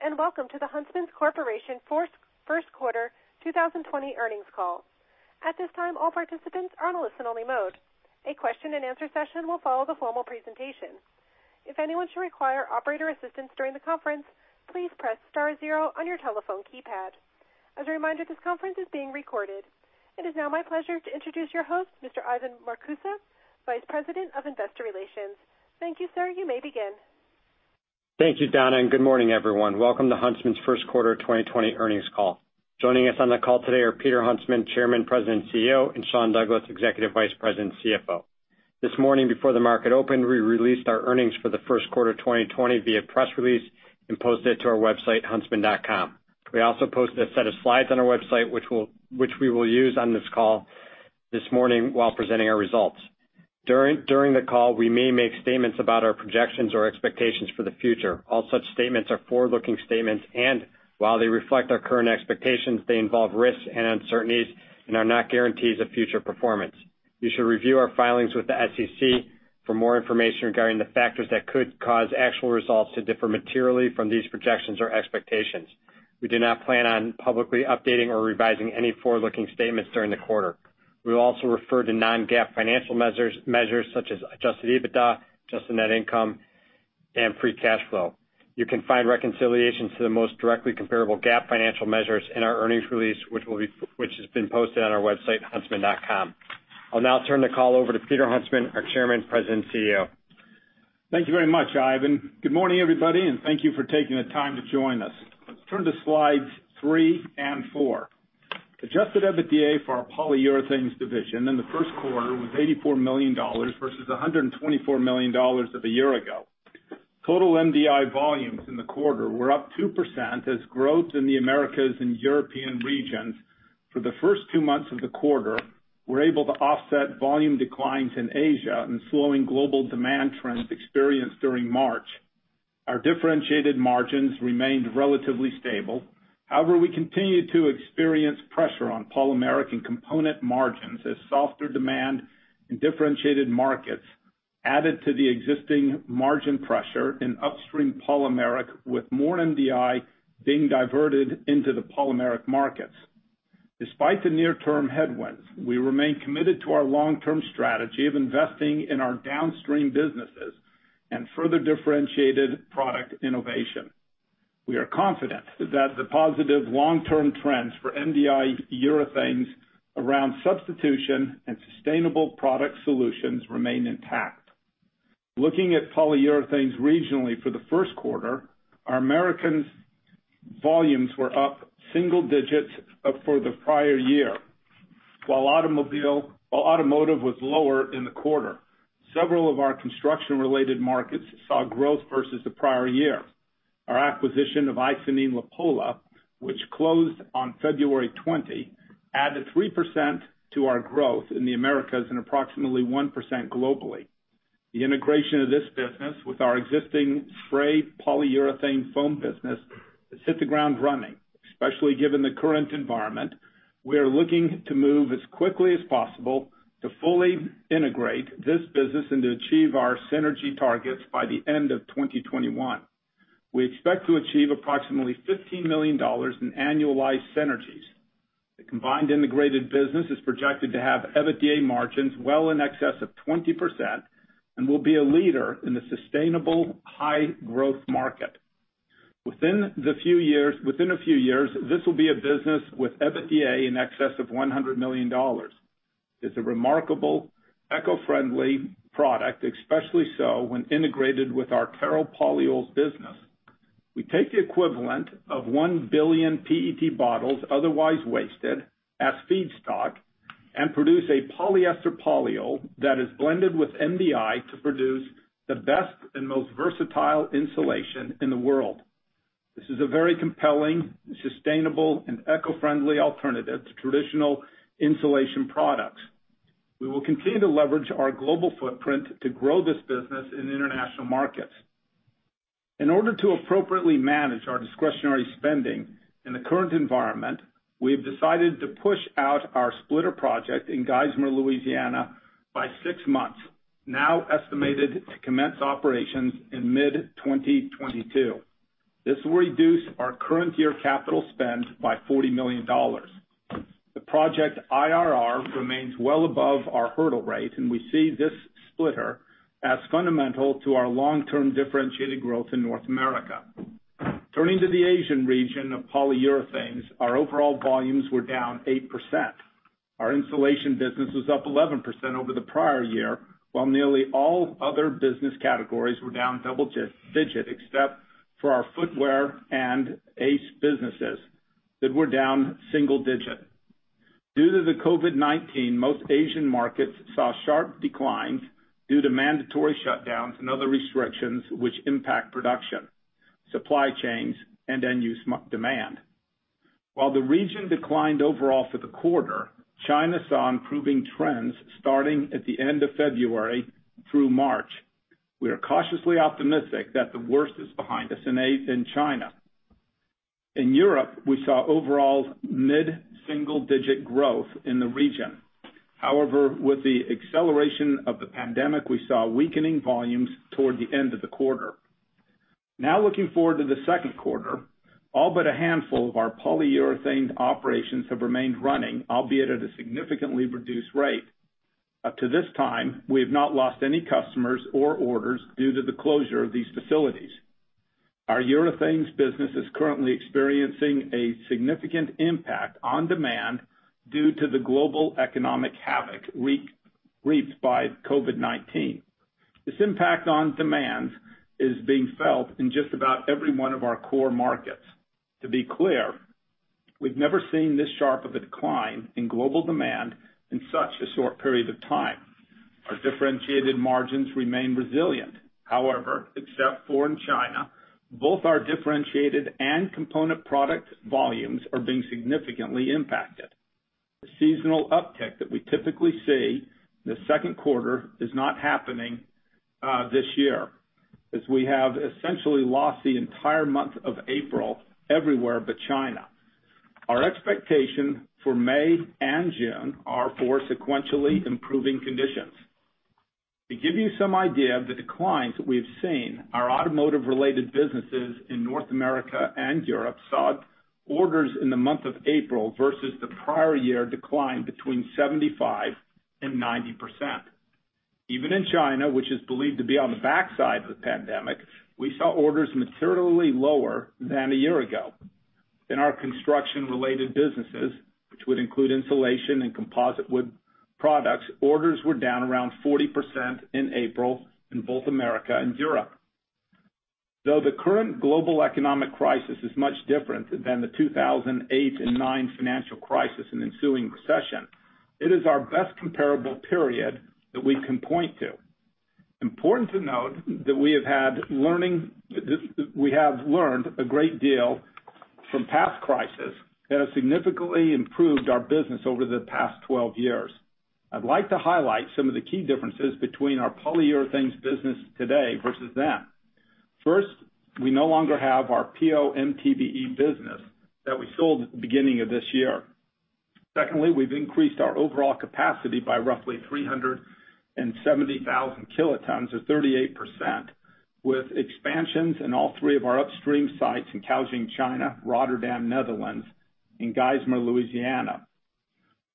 Greetings, welcome to the Huntsman Corporation First Quarter 2020 Earnings Call. At this time, all participants are in listen only mode. A question and answer session will follow the formal presentation. If anyone should require operator assistance during the conference, please press star zero on your telephone keypad. As a reminder, this conference is being recorded. It is now my pleasure to introduce your host, Mr. Ivan Marcuse, Vice President of Investor Relations. Thank you, sir. You may begin. Thank you, Donna, and good morning, everyone. Welcome to Huntsman's first quarter 2020 earnings call. Joining us on the call today are Peter Huntsman, Chairman, President, CEO, and Sean Douglas, Executive Vice President, CFO. This morning before the market opened, we released our earnings for the first quarter 2020 via press release and posted it to our website, huntsman.com. We also posted a set of slides on our website, which we will use on this call this morning while presenting our results. During the call, we may make statements about our projections or expectations for the future. All such statements are forward-looking statements, and while they reflect our current expectations, they involve risks and uncertainties and are not guarantees of future performance. You should review our filings with the SEC for more information regarding the factors that could cause actual results to differ materially from these projections or expectations. We do not plan on publicly updating or revising any forward-looking statements during the quarter. We will also refer to non-GAAP financial measures such as adjusted EBITDA, adjusted net income, and free cash flow. You can find reconciliations to the most directly comparable GAAP financial measures in our earnings release, which has been posted on our website, huntsman.com. I'll now turn the call over to Peter Huntsman, our Chairman, President, CEO. Thank you very much, Ivan. Good morning, everybody, and thank you for taking the time to join us. Let's turn to slides three and four. Adjusted EBITDA for our Polyurethanes division in the first quarter was $84 million versus $124 million of a year ago. Total MDI volumes in the quarter were up 2% as growth in the Americas and European regions for the first two months of the quarter were able to offset volume declines in Asia and slowing global demand trends experienced during March. Our differentiated margins remained relatively stable. However, we continued to experience pressure on polymeric and component margins as softer demand in differentiated markets added to the existing margin pressure in upstream polymeric, with more MDI being diverted into the polymeric markets. Despite the near-term headwinds, we remain committed to our long-term strategy of investing in our downstream businesses and further differentiated product innovation. We are confident that the positive long-term trends for MDI polyurethanes around substitution and sustainable product solutions remain intact. Looking at polyurethanes regionally for the first quarter, our Americas volumes were up single digits for the prior year. While automotive was lower in the quarter, several of our construction-related markets saw growth versus the prior year. Our acquisition of Icynene-Lapolla, which closed on February 20, added 3% to our growth in the Americas and approximately 1% globally. The integration of this business with our existing spray polyurethane foam business has hit the ground running, especially given the current environment. We are looking to move as quickly as possible to fully integrate this business and to achieve our synergy targets by the end of 2021. We expect to achieve approximately $15 million in annualized synergies. The combined integrated business is projected to have EBITDA margins well in excess of 20% and will be a leader in the sustainable, high-growth market. Within a few years, this will be a business with EBITDA in excess of $100 million. It's a remarkable, eco-friendly product, especially so when integrated with our TEROL polyols business. We take the equivalent of one billion PET bottles otherwise wasted as feedstock and produce a polyester polyol that is blended with MDI to produce the best and most versatile insulation in the world. This is a very compelling, sustainable, and eco-friendly alternative to traditional insulation products. We will continue to leverage our global footprint to grow this business in international markets. In order to appropriately manage our discretionary spending in the current environment, we have decided to push out our splitter project in Geismar, Louisiana, by six months, now estimated to commence operations in mid-2022. This will reduce our current year capital spend by $40 million. The project IRR remains well above our hurdle rate, and we see this splitter as fundamental to our long-term differentiated growth in North America. Turning to the Asian region of polyurethanes, our overall volumes were down 8%. Our insulation business was up 11% over the prior year, while nearly all other business categories were down double digit, except for our footwear and ACE businesses that were down single digit. Due to the COVID-19, most Asian markets saw sharp declines due to mandatory shutdowns and other restrictions which impact production, supply chains, and end-use demand. While the region declined overall for the quarter, China saw improving trends starting at the end of February through March. We are cautiously optimistic that the worst is behind us in China. In Europe, we saw overall mid-single-digit growth in the region. With the acceleration of the pandemic, we saw weakening volumes toward the end of the quarter. Looking forward to the second quarter, all but a handful of our polyurethanes operations have remained running, albeit at a significantly reduced rate. Up to this time, we have not lost any customers or orders due to the closure of these facilities. Our urethanes business is currently experiencing a significant impact on demand due to the global economic havoc wreaked by COVID-19. This impact on demand is being felt in just about every one of our core markets. To be clear, we've never seen this sharp of a decline in global demand in such a short period of time. Our differentiated margins remain resilient. However, except for in China, both our differentiated and component product volumes are being significantly impacted. The seasonal uptick that we typically see in the second quarter is not happening this year, as we have essentially lost the entire month of April everywhere but China. Our expectation for May and June are for sequentially improving conditions. To give you some idea of the declines that we have seen, our automotive-related businesses in North America and Europe saw orders in the month of April versus the prior year decline between 75% and 90%. Even in China, which is believed to be on the backside of the pandemic, we saw orders materially lower than a year ago. In our construction-related businesses, which would include insulation and composite wood products, orders were down around 40% in April in both America and Europe. Though the current global economic crisis is much different than the 2008 and 2009 financial crisis and ensuing recession, it is our best comparable period that we can point to. Important to note that we have learned a great deal from past crises that have significantly improved our business over the past 12 years. I'd like to highlight some of the key differences between our polyurethanes business today versus then. First, we no longer have our PO/MTBE business that we sold at the beginning of this year. Secondly, we've increased our overall capacity by roughly 370,000 kilotons, or 38%, with expansions in all three of our upstream sites in Kaohsiung, China, Rotterdam, Netherlands, and Geismar, Louisiana.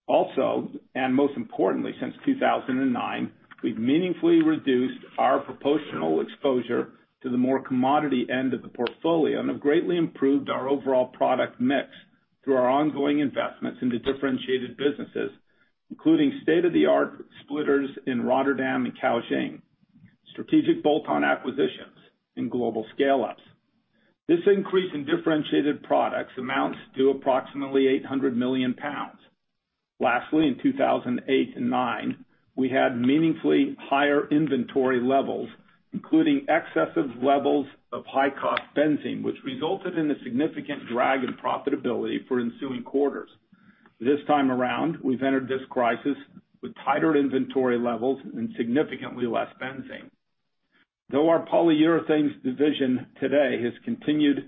Most importantly, since 2009, we've meaningfully reduced our proportional exposure to the more commodity end of the portfolio and have greatly improved our overall product mix through our ongoing investments into differentiated businesses, including state-of-the-art splitters in Rotterdam and Kaohsiung, strategic bolt-on acquisitions, and global scale-ups. This increase in differentiated products amounts to approximately 800 million pounds. In 2008 and 2009, we had meaningfully higher inventory levels, including excessive levels of high-cost benzene, which resulted in a significant drag in profitability for ensuing quarters. This time around, we've entered this crisis with tighter inventory levels and significantly less benzene. Though our polyurethanes division today has continued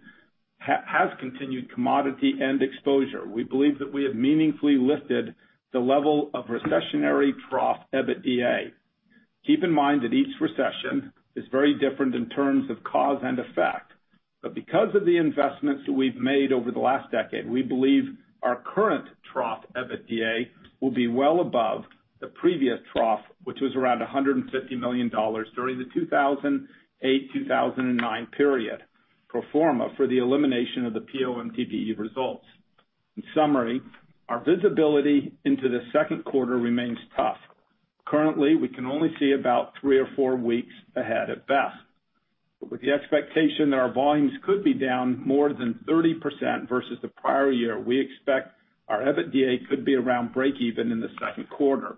commodity and exposure, we believe that we have meaningfully lifted the level of recessionary trough EBITDA. Keep in mind that each recession is very different in terms of cause and effect. Because of the investments that we've made over the last decade, we believe our current trough EBITDA will be well above the previous trough, which was around $150 million during the 2008-2009 period, pro forma for the elimination of the PO/MTBE results. In summary, our visibility into the second quarter remains tough. Currently, we can only see about three or four weeks ahead at best. With the expectation that our volumes could be down more than 30% versus the prior year, we expect our EBITDA could be around break even in the second quarter.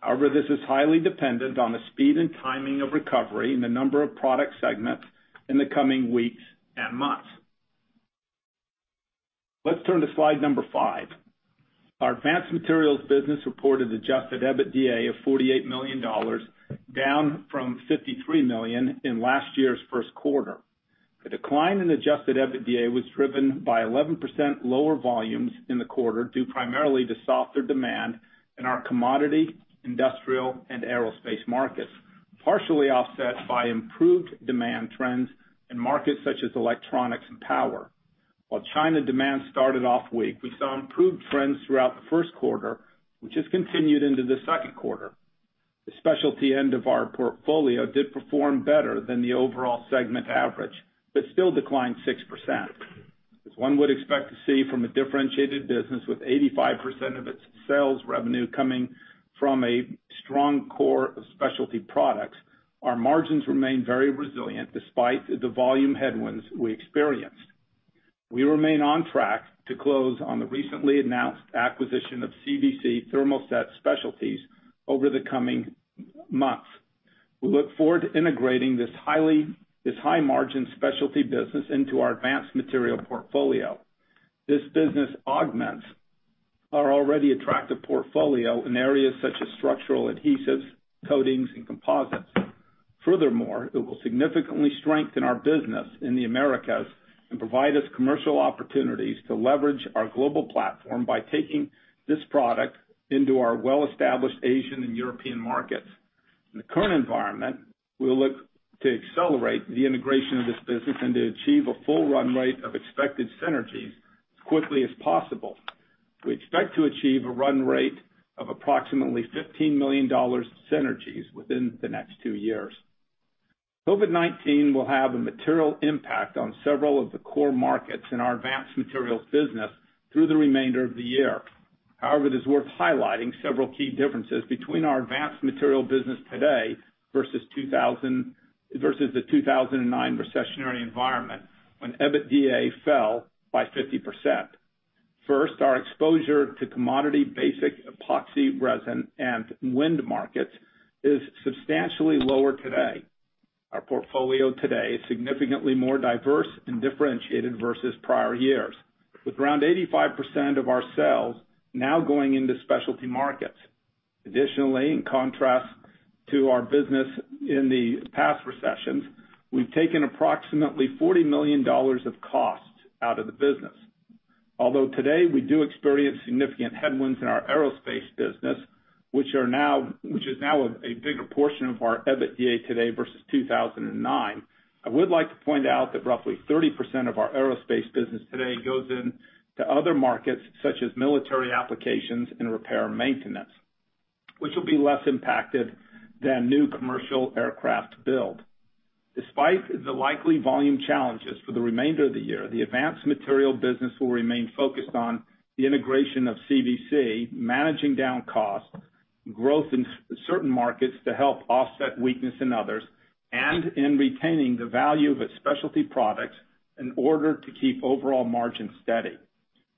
However, this is highly dependent on the speed and timing of recovery and the number of product segments in the coming weeks and months. Let's turn to slide number five. Our Advanced Materials business reported adjusted EBITDA of $48 million, down from $53 million in last year's first quarter. The decline in adjusted EBITDA was driven by 11% lower volumes in the quarter, due primarily to softer demand in our commodity, industrial, and aerospace markets, partially offset by improved demand trends in markets such as electronics and power. While China demand started off weak, we saw improved trends throughout the first quarter, which has continued into the second quarter. The specialty end of our portfolio did perform better than the overall segment average, but still declined 6%. As one would expect to see from a differentiated business with 85% of its sales revenue coming from a strong core of specialty products, our margins remain very resilient despite the volume headwinds we experienced. We remain on track to close on the recently announced acquisition of CVC Thermoset Specialties over the coming months. We look forward to integrating this high-margin specialty business into our Advanced Materials portfolio. This business augments our already attractive portfolio in areas such as structural adhesives, coatings, and composites. Furthermore, it will significantly strengthen our business in the Americas and provide us commercial opportunities to leverage our global platform by taking this product into our well-established Asian and European markets. In the current environment, we'll look to accelerate the integration of this business and to achieve a full run rate of expected synergies as quickly as possible. We expect to achieve a run rate of approximately $15 million synergies within the next two years. COVID-19 will have a material impact on several of the core markets in our Advanced Materials business through the remainder of the year. However, it is worth highlighting several key differences between our Advanced Materials business today versus the 2009 recessionary environment, when EBITDA fell by 50%. First, our exposure to commodity basic epoxy resin and wind markets is substantially lower today. Our portfolio today is significantly more diverse and differentiated versus prior years, with around 85% of our sales now going into specialty markets. In contrast to our business in the past recessions, we've taken approximately $40 million of costs out of the business. Today, we do experience significant headwinds in our aerospace business, which is now a bigger portion of our EBITDA today versus 2009. I would like to point out that roughly 30% of our aerospace business today goes into other markets such as military applications and repair maintenance, which will be less impacted than new commercial aircraft build. Despite the likely volume challenges for the remainder of the year, the Advanced Materials business will remain focused on the integration of CVC, managing down costs, growth in certain markets to help offset weakness in others, and in retaining the value of its specialty products in order to keep overall margins steady.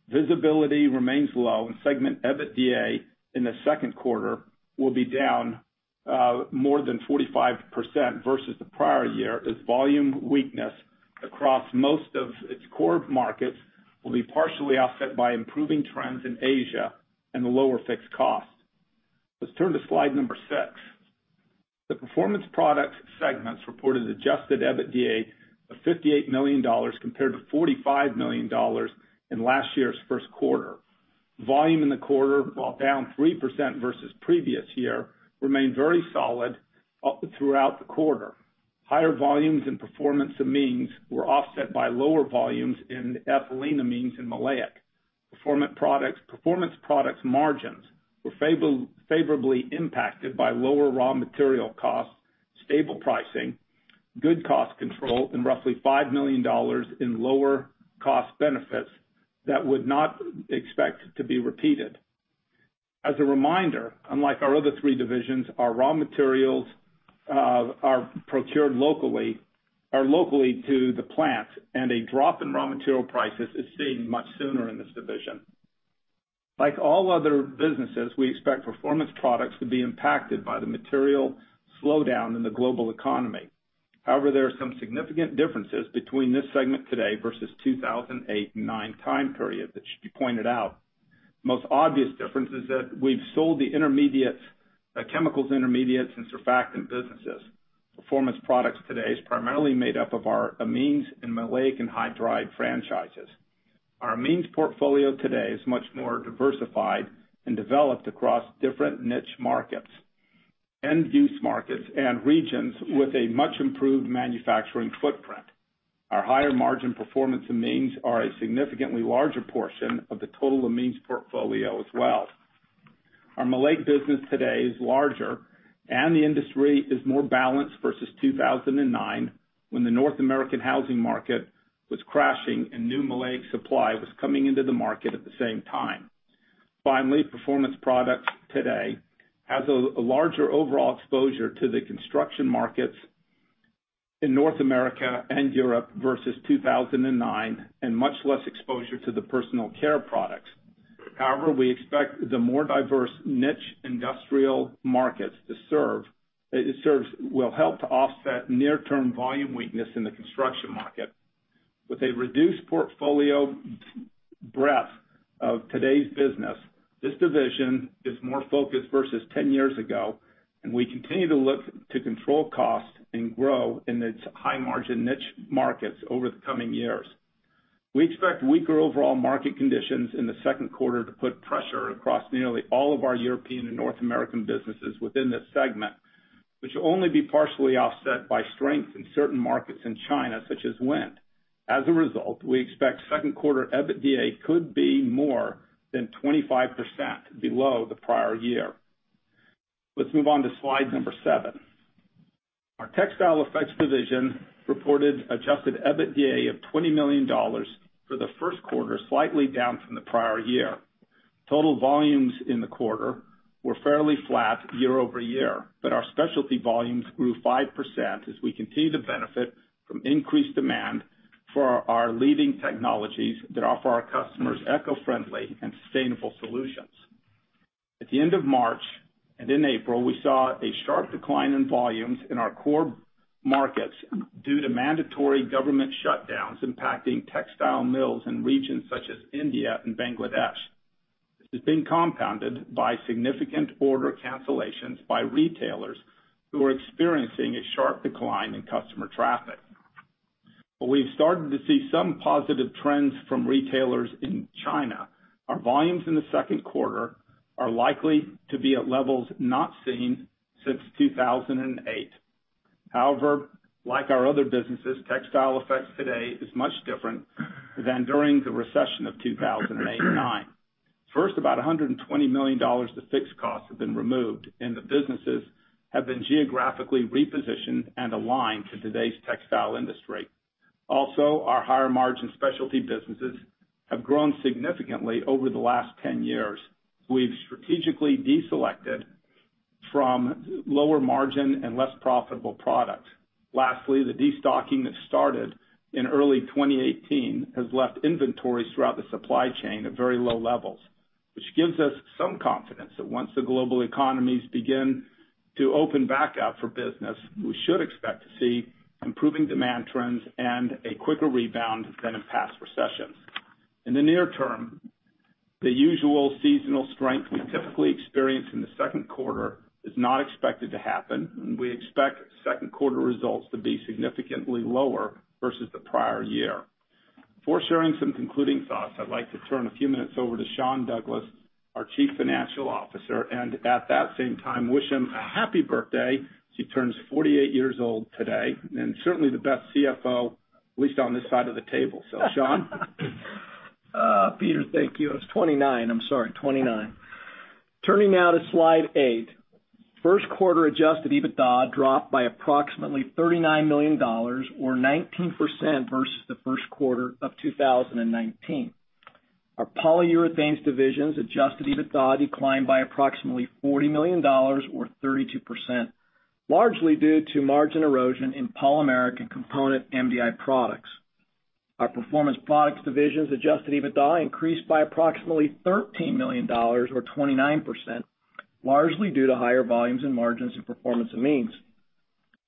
Visibility remains low and segment EBITDA in the second quarter will be down more than 45% versus the prior year, as volume weakness across most of its core markets will be partially offset by improving trends in Asia and lower fixed costs. Let's turn to slide number six. The Performance Products segment reported adjusted EBITDA of $58 million compared to $45 million in last year's first quarter. Volume in the quarter, while down 3% versus previous year, remained very solid throughout the quarter. Higher volumes and performance amines were offset by lower volumes in ethyleneamines and maleic. Performance Products margins were favorably impacted by lower raw material costs, stable pricing, good cost control, and roughly $5 million in lower cost benefits that would not expect to be repeated. As a reminder, unlike our other three divisions, our raw materials are procured locally, are locally to the plants, and a drop in raw material prices is seen much sooner in this division. Like all other businesses, we expect Performance Products to be impacted by the material slowdown in the global economy. However, there are some significant differences between this segment today versus 2008 and 2009 time period that should be pointed out. Most obvious difference is that we've sold the chemicals intermediates and surfactant businesses. Performance Products today is primarily made up of our amines and maleic anhydride franchises. Our amines portfolio today is much more diversified and developed across different niche markets, end-use markets, and regions with a much improved manufacturing footprint. Our higher margin performance amines are a significantly larger portion of the total amines portfolio as well. Our maleic business today is larger, and the industry is more balanced versus 2009, when the North American housing market was crashing and new maleic supply was coming into the market at the same time. Performance Products today has a larger overall exposure to the construction markets in North America and Europe versus 2009, and much less exposure to the personal care products. We expect the more diverse niche industrial markets it serves will help to offset near-term volume weakness in the construction market. With a reduced portfolio breadth of today's business, this division is more focused versus 10 years ago. We continue to look to control costs and grow in its high-margin niche markets over the coming years. We expect weaker overall market conditions in the second quarter to put pressure across nearly all of our European and North American businesses within this segment, which will only be partially offset by strength in certain markets in China, such as Wind. As a result, we expect second quarter EBITDA could be more than 25% below the prior year. Let's move on to slide number seven. Our Textile Effects division reported adjusted EBITDA of $20 million for the first quarter, slightly down from the prior year. Total volumes in the quarter were fairly flat year-over-year. Our specialty volumes grew 5% as we continue to benefit from increased demand for our leading technologies that offer our customers eco-friendly and sustainable solutions. At the end of March and in April, we saw a sharp decline in volumes in our core markets due to mandatory government shutdowns impacting textile mills in regions such as India and Bangladesh. This has been compounded by significant order cancellations by retailers who are experiencing a sharp decline in customer traffic. We've started to see some positive trends from retailers in China. Our volumes in the second quarter are likely to be at levels not seen since 2008. However, like our other businesses, Textile Effects today is much different than during the recession of 2008 and 2009. First, about $120 million of fixed costs have been removed, and the businesses have been geographically repositioned and aligned to today's textile industry. Also, our higher margin specialty businesses have grown significantly over the last 10 years. We've strategically deselected from lower margin and less profitable product. Lastly, the destocking that started in early 2018 has left inventories throughout the supply chain at very low levels, which gives us some confidence that once the global economies begin to open back up for business, we should expect to see improving demand trends and a quicker rebound than in past recessions. In the near term, the usual seasonal strength we typically experience in the second quarter is not expected to happen, and we expect second quarter results to be significantly lower versus the prior year. Before sharing some concluding thoughts, I'd like to turn a few minutes over to Sean Douglas, our Chief Financial Officer, and at that same time, wish him a happy birthday. He turns 48 years old today, and certainly the best CFO, at least on this side of the table. Sean. Peter, thank you. I was 29. I'm sorry, 29. Turning now to slide eight. First quarter adjusted EBITDA dropped by approximately $39 million, or 19% versus the first quarter of 2019. Our Polyurethanes division's adjusted EBITDA declined by approximately $40 million, or 32%, largely due to margin erosion in polymeric and component MDI products. Our Performance Products division's adjusted EBITDA increased by approximately $13 million, or 29%, largely due to higher volumes and margins in performance amines.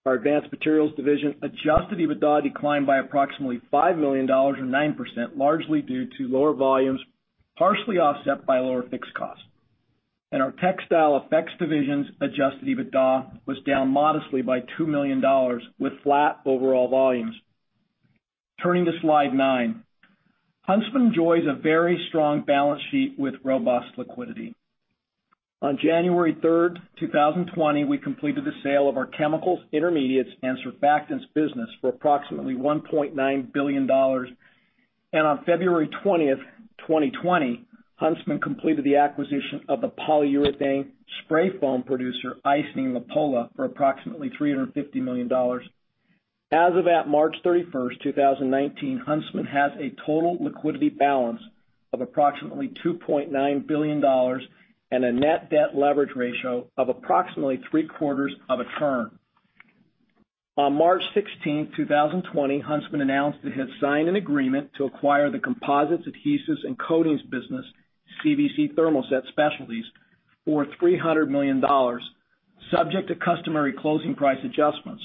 Our Advanced Materials division adjusted EBITDA declined by approximately $5 million, or 9%, largely due to lower volumes, partially offset by lower fixed costs. Our Textile Effects division's adjusted EBITDA was down modestly by $2 million with flat overall volumes. Turning to slide nine. Huntsman enjoys a very strong balance sheet with robust liquidity. On January 3rd, 2020, we completed the sale of our chemicals, intermediates, and surfactants business for approximately $1.9 billion. On February 20th, 2020, Huntsman completed the acquisition of the spray polyurethane foam producer, Icynene-Lapolla, for approximately $350 million. As of March 31st, 2019, Huntsman has a total liquidity balance of approximately $2.9 billion and a net debt leverage ratio of approximately three-quarters of a turn. On March 16th, 2020, Huntsman announced it had signed an agreement to acquire the composites, adhesives, and coatings business, CVC Thermoset Specialties, for $300 million, subject to customary closing price adjustments.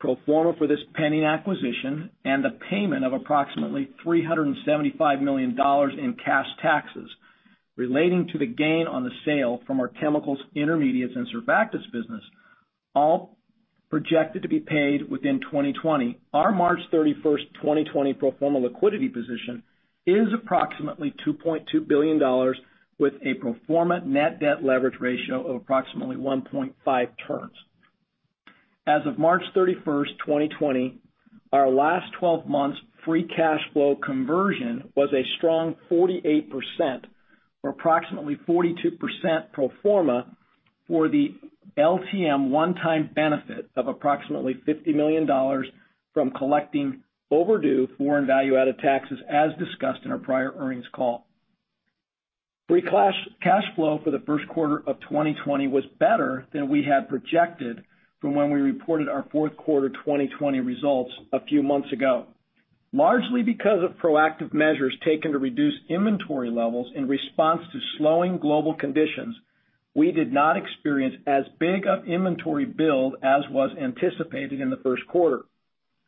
Pro forma for this pending acquisition and the payment of approximately $375 million in cash taxes relating to the gain on the sale from our chemicals, intermediates, and surfactants business, all projected to be paid within 2020. Our March 31st, 2020 pro forma liquidity position is approximately $2.2 billion with a pro forma net debt leverage ratio of approximately 1.5 turns. As of March 31st, 2020, our last 12 months free cash flow conversion was a strong 48%, or approximately 42% pro forma for the LTM one-time benefit of approximately $50 million from collecting overdue foreign value-added taxes as discussed in our prior earnings call. Free cash flow for the first quarter of 2020 was better than we had projected from when we reported our fourth quarter 2020 results a few months ago. Largely because of proactive measures taken to reduce inventory levels in response to slowing global conditions, we did not experience as big of inventory build as was anticipated in the first quarter.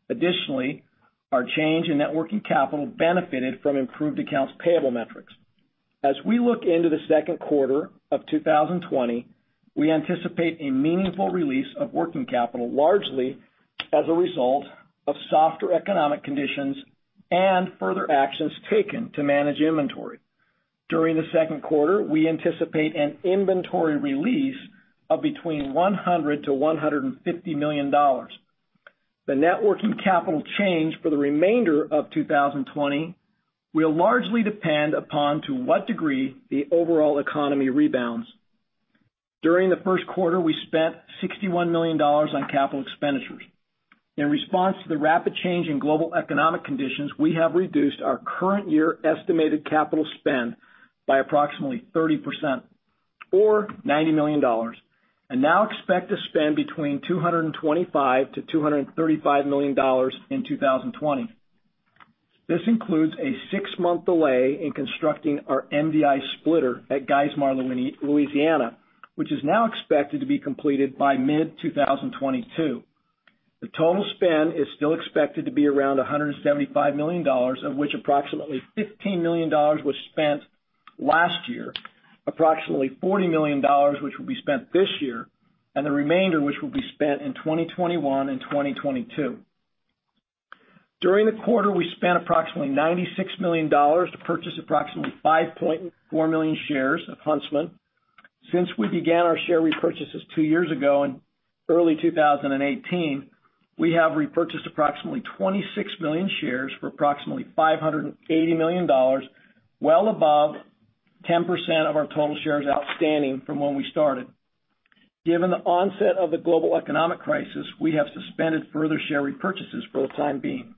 Additionally, our change in net working capital benefited from improved accounts payable metrics. As we look into the second quarter of 2020, we anticipate a meaningful release of working capital, largely as a result of softer economic conditions and further actions taken to manage inventory. During the second quarter, we anticipate an inventory release of between $100 million-$150 million. The net working capital change for the remainder of 2020 will largely depend upon to what degree the overall economy rebounds. During the first quarter, we spent $61 million on capital expenditures. In response to the rapid change in global economic conditions, we have reduced our current year estimated capital spend by approximately 30%, or $90 million, and now expect to spend between $225 million-$235 million in 2020. This includes a six-month delay in constructing our MDI splitter at Geismar, Louisiana, which is now expected to be completed by mid 2022. The total spend is still expected to be around $175 million, of which approximately $15 million was spent last year, approximately $40 million, which will be spent this year, and the remainder, which will be spent in 2021 and 2022. During the quarter, we spent approximately $96 million to purchase approximately 5.4 million shares of Huntsman. Since we began our share repurchases two years ago in early 2018, we have repurchased approximately 26 million shares for approximately $580 million, well above 10% of our total shares outstanding from when we started. Given the onset of the global economic crisis, we have suspended further share repurchases for the time being.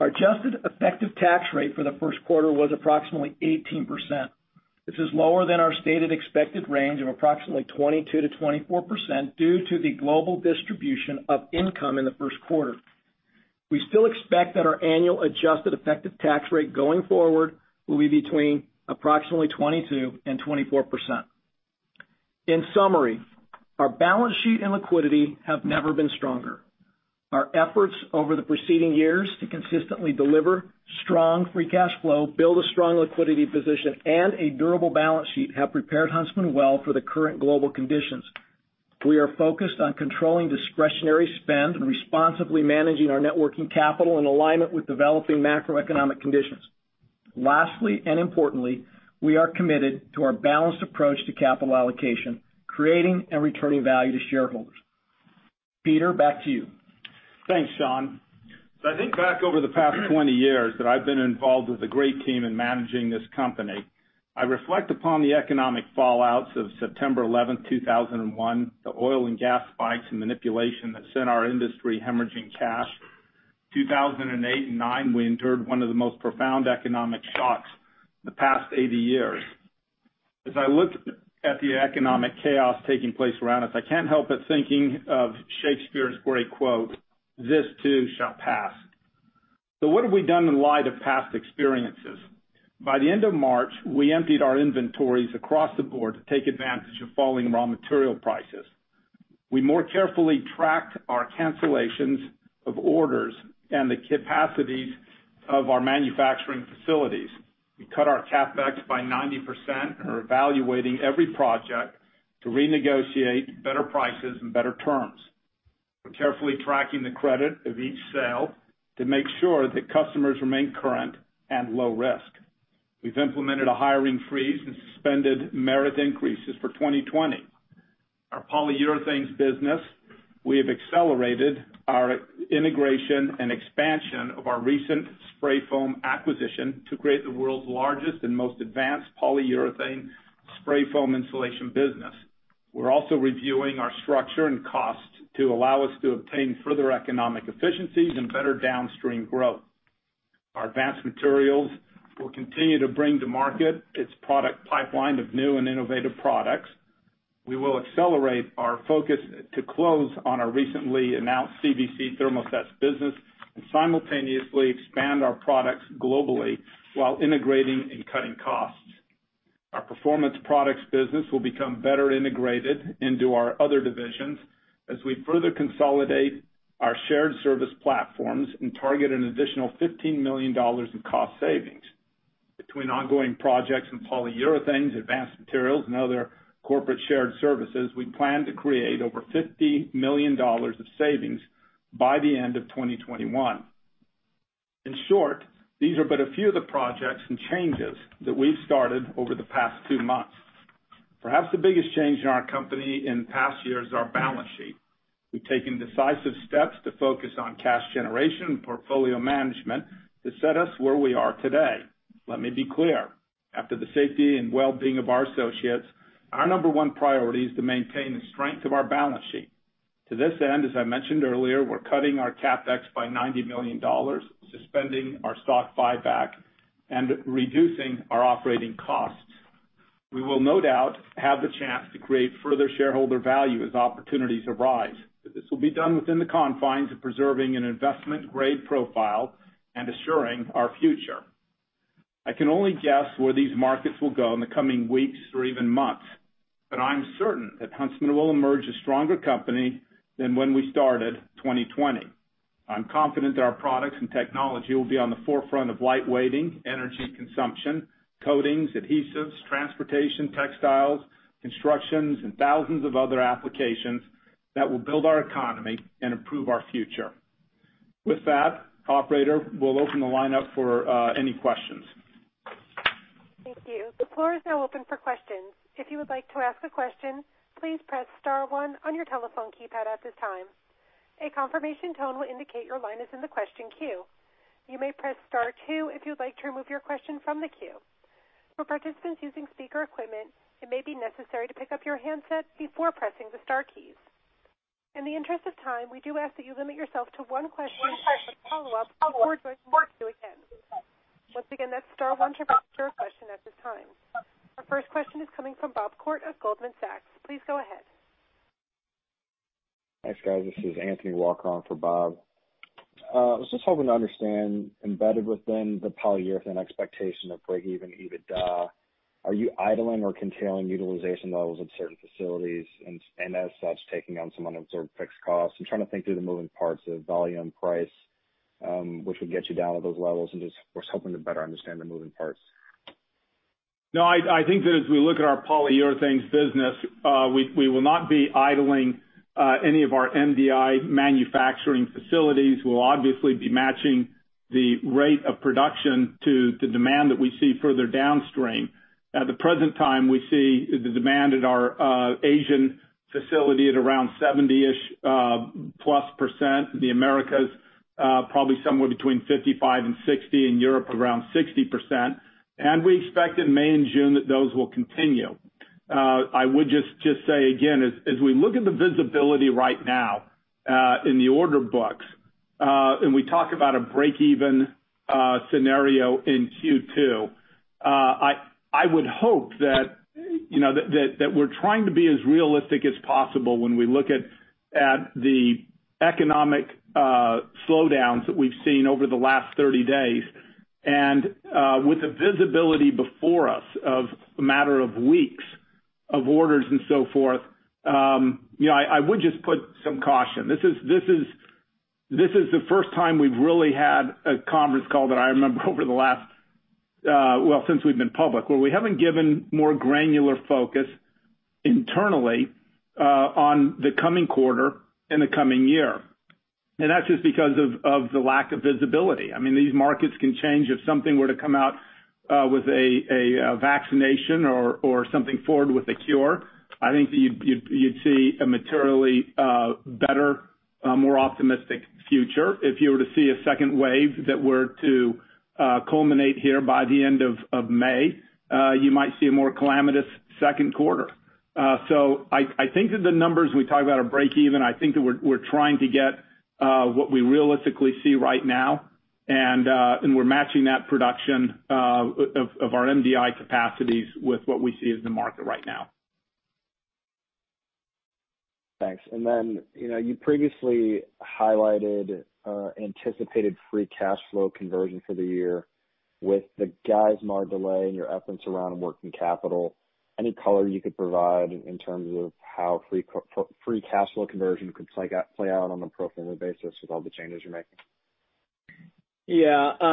Our adjusted effective tax rate for the first quarter was approximately 18%. This is lower than our stated expected range of approximately 22%-24% due to the global distribution of income in the first quarter. We still expect that our annual adjusted effective tax rate going forward will be between approximately 22% and 24%. In summary, our balance sheet and liquidity have never been stronger. Our efforts over the preceding years to consistently deliver strong free cash flow, build a strong liquidity position, and a durable balance sheet have prepared Huntsman well for the current global conditions. We are focused on controlling discretionary spend and responsibly managing our networking capital in alignment with developing macroeconomic conditions. Lastly, and importantly, we are committed to our balanced approach to capital allocation, creating and returning value to shareholders. Peter, back to you. Thanks, Sean. As I think back over the past 20 years that I've been involved with the great team in managing this company, I reflect upon the economic fallouts of September 11, 2001, the oil and gas spikes and manipulation that sent our industry hemorrhaging cash. 2008 and 2009, we endured one of the most profound economic shocks in the past 80 years. As I look at the economic chaos taking place around us, I can't help but think of Shakespeare's great quote, "This too shall pass." What have we done in light of past experiences? By the end of March, we emptied our inventories across the board to take advantage of falling raw material prices. We more carefully tracked our cancellations of orders and the capacities of our manufacturing facilities. We cut our CapEx by 90% and are evaluating every project to renegotiate better prices and better terms. We're carefully tracking the credit of each sale to make sure that customers remain current and low risk. We've implemented a hiring freeze and suspended merit increases for 2020. Our polyurethanes business, we have accelerated our integration and expansion of our recent spray foam acquisition to create the world's largest and most advanced polyurethane spray foam insulation business. We're also reviewing our structure and cost to allow us to obtain further economic efficiencies and better downstream growth. Our Advanced Materials will continue to bring to market its product pipeline of new and innovative products. We will accelerate our focus to close on our recently announced CVC Thermoset business and simultaneously expand our products globally while integrating and cutting costs. Our Performance Products business will become better integrated into our other divisions as we further consolidate our shared service platforms and target an additional $15 million in cost savings. Between ongoing projects in polyurethanes, Advanced Materials, and other corporate shared services, we plan to create over $50 million of savings by the end of 2021. In short, these are but a few of the projects and changes that we've started over the past two months. Perhaps the biggest change in our company in past years is our balance sheet. We've taken decisive steps to focus on cash generation and portfolio management to set us where we are today. Let me be clear. After the safety and well-being of our associates, our number one priority is to maintain the strength of our balance sheet. To this end, as I mentioned earlier, we're cutting our CapEx by $90 million, suspending our stock buyback, and reducing our operating costs. We will no doubt have the chance to create further shareholder value as opportunities arise. This will be done within the confines of preserving an investment grade profile and assuring our future. I can only guess where these markets will go in the coming weeks or even months, I'm certain that Huntsman will emerge a stronger company than when we started 2020. I'm confident that our products and technology will be on the forefront of lightweighting, energy consumption, coatings, adhesives, transportation, textiles, constructions, and thousands of other applications that will build our economy and improve our future. With that, operator, we'll open the line up for any questions. Thank you. The floor is now open for questions. If you would like to ask a question, please press star one on your telephone keypad at this time. A confirmation tone will indicate your line is in the question queue. You may press star two if you'd like to remove your question from the queue. For participants using speaker equipment, it may be necessary to pick up your handset before pressing the star keys. In the interest of time, we do ask that you limit yourself to one question and one follow-up before we ask you again. Once again, that's star one to ask your question at this time. Our first question is coming from Bob Koort of Goldman Sachs. Please go ahead. Thanks, guys. This is Anthony Walker for Bob. I was just hoping to understand, embedded within the polyurethane expectation of breakeven EBITDA, are you idling or curtailing utilization levels at certain facilities and as such, taking on some unabsorbed fixed costs? I'm trying to think through the moving parts of volume, price, which would get you down to those levels, and just was hoping to better understand the moving parts. No, I think that as we look at our polyurethanes business, we will not be idling any of our MDI manufacturing facilities. We'll obviously be matching the rate of production to the demand that we see further downstream. At the present time, we see the demand at our Asian facility at around 70-ish plus percent, the Americas probably somewhere between 55% and 60%, in Europe, around 60%. We expect in May and June that those will continue. I would just say again, as we look at the visibility right now in the order books, and we talk about a breakeven scenario in Q2, I would hope that we're trying to be as realistic as possible when we look at the economic slowdowns that we've seen over the last 30 days. With the visibility before us of a matter of weeks of orders and so forth, I would just put some caution. This is the first time we've really had a conference call that I remember over the last well, since we've been public, where we haven't given more granular focus internally on the coming quarter and the coming year. That's just because of the lack of visibility. These markets can change. If something were to come out with a vaccination or something forward with a cure, I think that you'd see a materially better, more optimistic future. If you were to see a second wave that were to culminate here by the end of May, you might see a more calamitous second quarter. I think that the numbers we talk about are breakeven. I think that we're trying to get what we realistically see right now, and we're matching that production of our MDI capacities with what we see as the market right now. Thanks. You previously highlighted anticipated free cash flow conversion for the year. With the Geismar delay and your efforts around working capital, any color you could provide in terms of how free cash flow conversion could play out on a pro forma basis with all the changes you're making?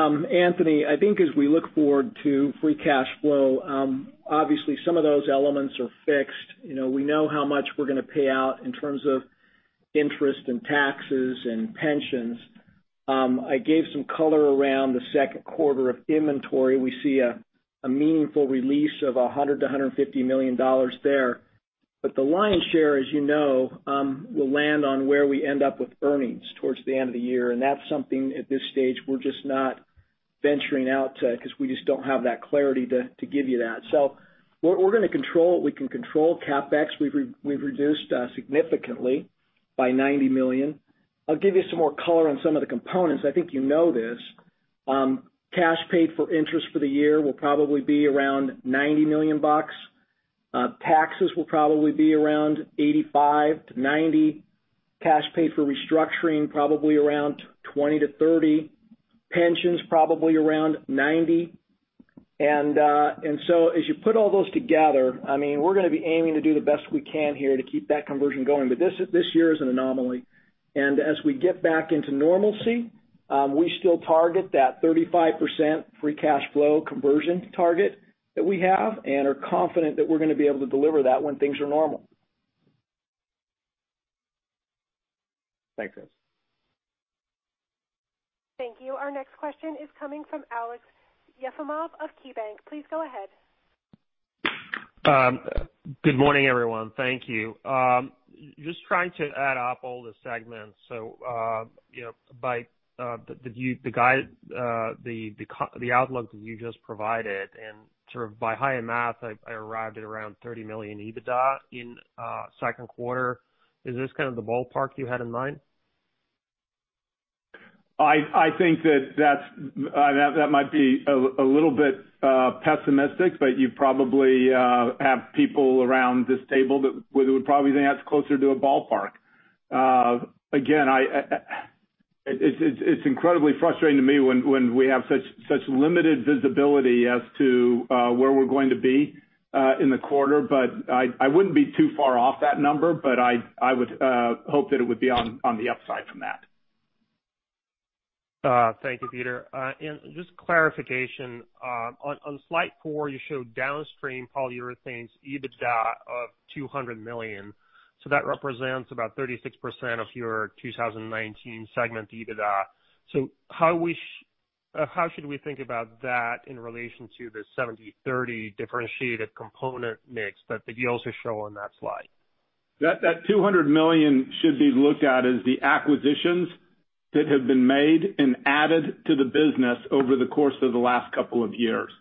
Anthony, I think as we look forward to free cash flow, obviously some of those elements are fixed. We know how much we're going to pay out in terms of interest and taxes and pensions. I gave some color around the second quarter of inventory. We see a meaningful release of $100 million-$150 million there. The lion's share, as you know, will land on where we end up with earnings towards the end of the year. That's something at this stage we're just not venturing out to because we just don't have that clarity to give you that. We're going to control what we can control. CapEx, we've reduced significantly by $90 million. I'll give you some more color on some of the components. I think you know this. Cash paid for interest for the year will probably be around $90 million. Taxes will probably be around $85-$90. Cash paid for restructuring, probably around $20-$30. Pensions, probably around $90. As you put all those together, we're going to be aiming to do the best we can here to keep that conversion going. This year is an anomaly. As we get back into normalcy, we still target that 35% free cash flow conversion target that we have and are confident that we're going to be able to deliver that when things are normal. Thanks, guys. Thank you. Our next question is coming from Aleksey Yefremov of KeyBanc. Please go ahead. Good morning, everyone. Thank you. Just trying to add up all the segments. By the outlook that you just provided, and sort of by higher math, I arrived at around $30 million EBITDA in second quarter. Is this kind of the ballpark you had in mind? I think that might be a little bit pessimistic, but you probably have people around this table that would probably think that's closer to a ballpark. Again, it's incredibly frustrating to me when we have such limited visibility as to where we're going to be in the quarter, but I wouldn't be too far off that number, but I would hope that it would be on the upside from that. Thank you, Peter. Just clarification, on slide four, you showed downstream polyurethanes EBITDA of $200 million. That represents about 36% of your 2019 segment EBITDA. How should we think about that in relation to the 70/30 differentiated component mix that you also show on that slide? That $200 million should be looked at as the acquisitions that have been made and added to the business over the course of the last couple of years.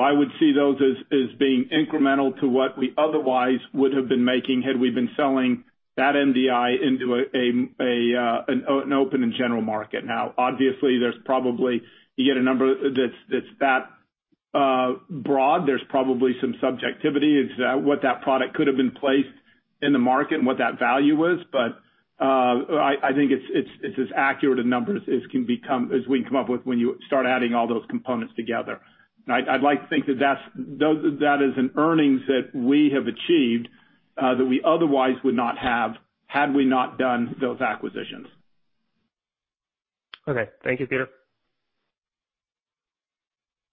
I would see those as being incremental to what we otherwise would have been making had we been selling that MDI into an open and general market. Obviously, you get a number that's that broad, there's probably some subjectivity into what that product could've been placed in the market and what that value was. I think it's as accurate a number as we can come up with when you start adding all those components together. I'd like to think that is an earnings that we have achieved, that we otherwise would not have, had we not done those acquisitions. Okay. Thank you, Peter.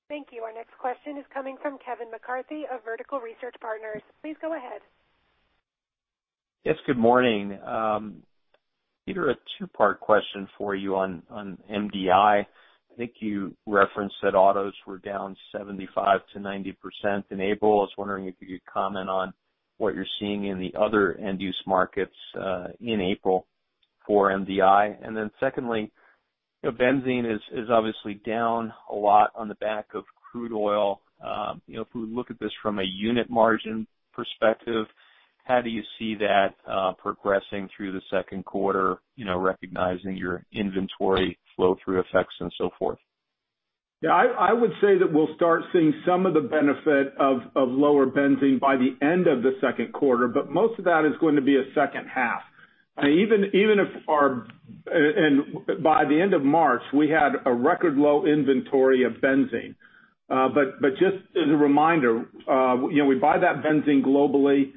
Thank you. Our next question is coming from Kevin McCarthy of Vertical Research Partners. Please go ahead. Yes, good morning. Peter, a two-part question for you on MDI. I think you referenced that autos were down 75%-90% in April. I was wondering if you could comment on what you're seeing in the other end-use markets in April for MDI. Secondly, benzene is obviously down a lot on the back of crude oil. If we look at this from a unit margin perspective, how do you see that progressing through the second quarter, recognizing your inventory flow-through effects and so forth? Yeah. I would say that we'll start seeing some of the benefit of lower benzene by the end of the second quarter. Most of that is going to be at second half. By the end of March, we had a record low inventory of benzene. Just as a reminder, we buy that benzene globally, it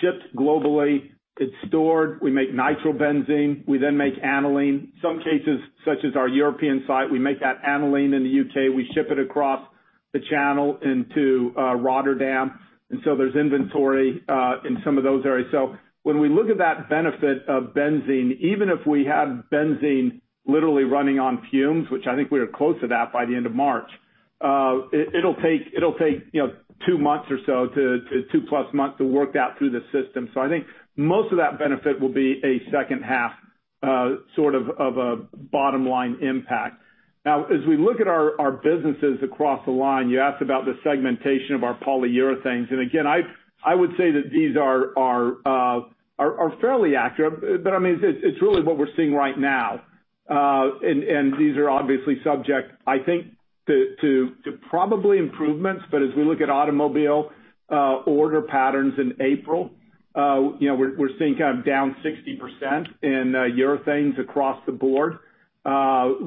ships globally, it's stored. We make nitrobenzene, we then make aniline. Some cases, such as our European site, we make that aniline in the U.K., we ship it across the channel into Rotterdam. There's inventory in some of those areas. When we look at that benefit of benzene, even if we had benzene literally running on fumes, which I think we were close to that by the end of March, it'll take two-plus months to work that through the system. I think most of that benefit will be a second half sort of a bottom-line impact. As we look at our businesses across the line, you asked about the segmentation of our polyurethanes. Again, I would say that these are fairly accurate, but it's really what we're seeing right now. These are obviously subject, I think, to probably improvements. As we look at automobile order patterns in April, we're seeing kind of down 60% in urethanes across the board. That's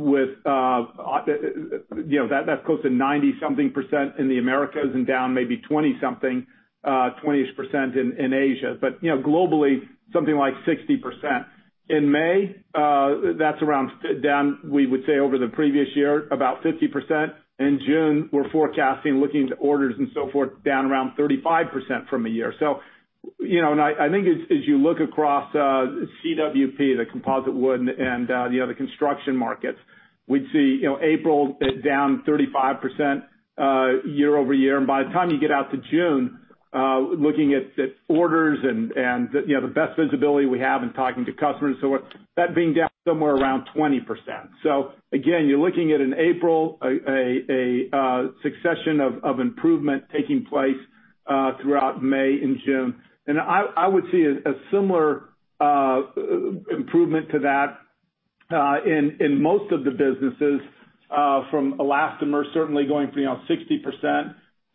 close to 90-something percent in the Americas and down maybe 20-something percent, 20-ish percent in Asia. Globally, something like 60%. In May, that's around down, we would say over the previous year, about 50%. In June, we're forecasting, looking into orders and so forth, down around 35% from a year. I think as you look across CWP, the composite wood, and the other construction markets, we'd see April is down 35% year-over-year. By the time you get out to June, looking at the orders and the best visibility we have in talking to customers and so forth, that being down somewhere around 20%. Again, you're looking at in April, a succession of improvement taking place throughout May and June. I would see a similar improvement to that in most of the businesses, from elastomers certainly going from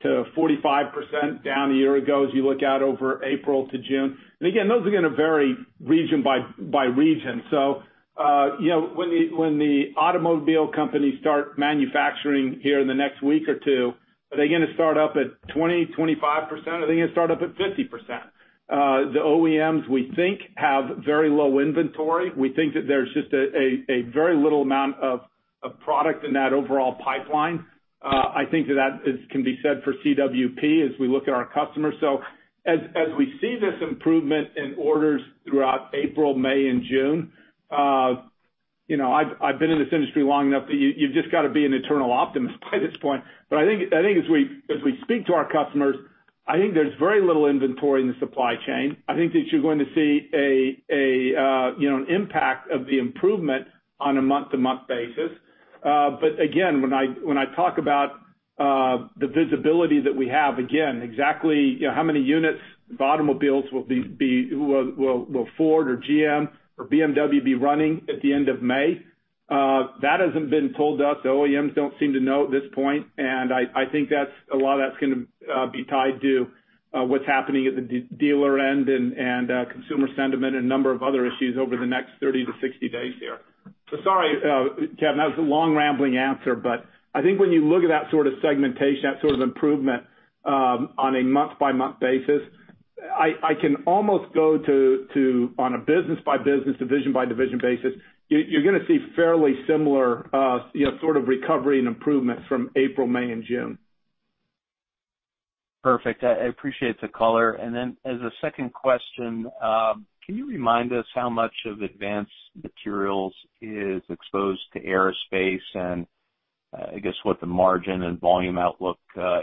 60%-45% down a year ago, as you look out over April to June. Again, those are going to vary region by region. When the automobile companies start manufacturing here in the next week or two, are they going to start up at 20%, 25%? Are they going to start up at 50%? The OEMs, we think, have very low inventory. We think that there's just a very little amount of product in that overall pipeline. I think that can be said for CWP as we look at our customers. As we see this improvement in orders throughout April, May, and June, I've been in this industry long enough that you've just got to be an eternal optimist by this point. I think as we speak to our customers, I think there's very little inventory in the supply chain. I think that you're going to see an impact of the improvement on a month-to-month basis. Again, when I talk about the visibility that we have, again, exactly how many units of automobiles will Ford or GM or BMW be running at the end of May? That hasn't been told to us. The OEMs don't seem to know at this point, and I think a lot of that's going to be tied to what's happening at the dealer end and consumer sentiment and a number of other issues over the next 30-60 days here. Sorry, Kevin, that was a long, rambling answer, but I think when you look at that sort of segmentation, that sort of improvement on a month-by-month basis, I can almost go to on a business-by-business, division-by-division basis, you're going to see fairly similar sort of recovery and improvement from April, May, and June. Perfect. I appreciate the color. As a second question, can you remind us how much of Advanced Materials is exposed to aerospace and, I guess, what the margin and volume outlook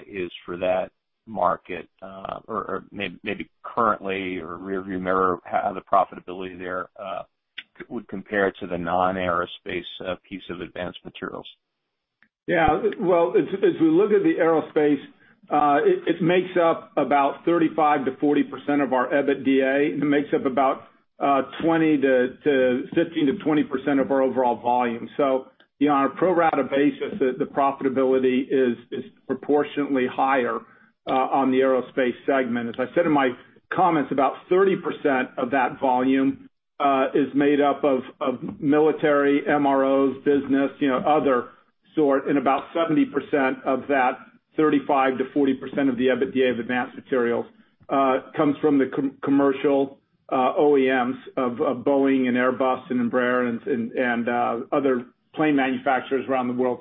is for that market? Or maybe currently or rearview mirror, how the profitability there would compare to the non-aerospace piece of Advanced Materials. Well, as we look at the aerospace. It makes up about 35%-40% of our EBITDA. It makes up about 15%-20% of our overall volume. On a pro rata basis, the profitability is proportionately higher on the aerospace segment. As I said in my comments, about 30% of that volume is made up of military MROs business, other sort, and about 70% of that 35%-40% of the EBITDA of Advanced Materials comes from the commercial OEMs of Boeing and Airbus and Embraer and other plane manufacturers around the world.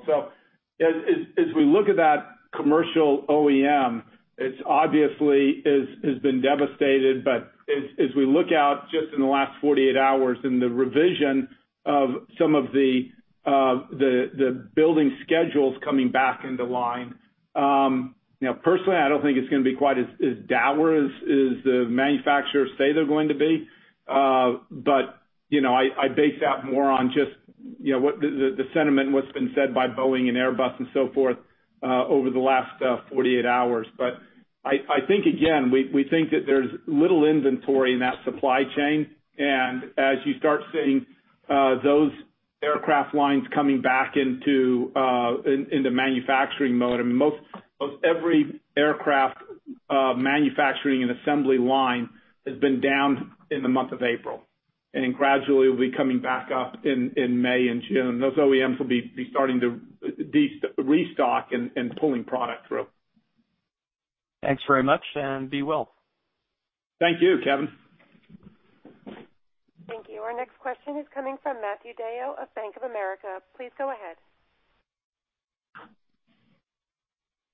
As we look at that commercial OEM, it obviously has been devastated. As we look out just in the last 48 hours and the revision of some of the building schedules coming back into line. Personally, I don't think it's going to be quite as dour as the manufacturers say they're going to be. I base that more on just the sentiment and what's been said by Boeing and Airbus and so forth over the last 48 hours. I think, again, we think that there's little inventory in that supply chain. As you start seeing those aircraft lines coming back into manufacturing mode, most every aircraft manufacturing and assembly line has been down in the month of April, and gradually will be coming back up in May and June. Those OEMs will be starting to restock and pulling product through. Thanks very much, and be well. Thank you, Kevin. Thank you. Our next question is coming from Matthew DeYoe of Bank of America. Please go ahead.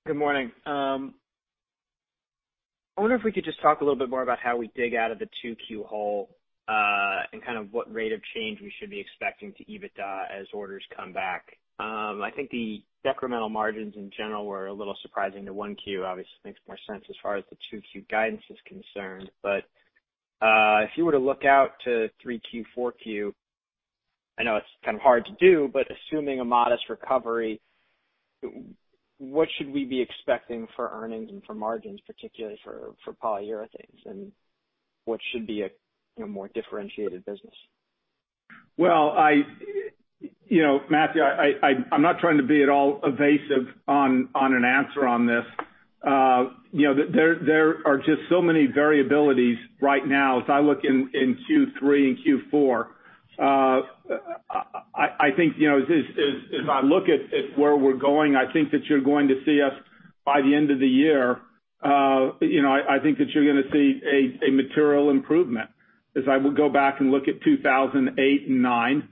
Good morning. I wonder if we could just talk a little bit more about how we dig out of the 2Q hole, and kind of what rate of change we should be expecting to EBITDA as orders come back. I think the decremental margins in general were a little surprising to 1Q. Obviously makes more sense as far as the 2Q guidance is concerned. If you were to look out to 3Q, 4Q, I know it's kind of hard to do, but assuming a modest recovery, what should we be expecting for earnings and for margins, particularly for polyurethanes, and what should be a more differentiated business? Matthew, I'm not trying to be at all evasive on an answer on this. There are just so many variabilities right now as I look in Q3 and Q4. As I look at where we're going, I think that you're going to see us by the end of the year, I think that you're going to see a material improvement. As I would go back and look at 2008 and 2009,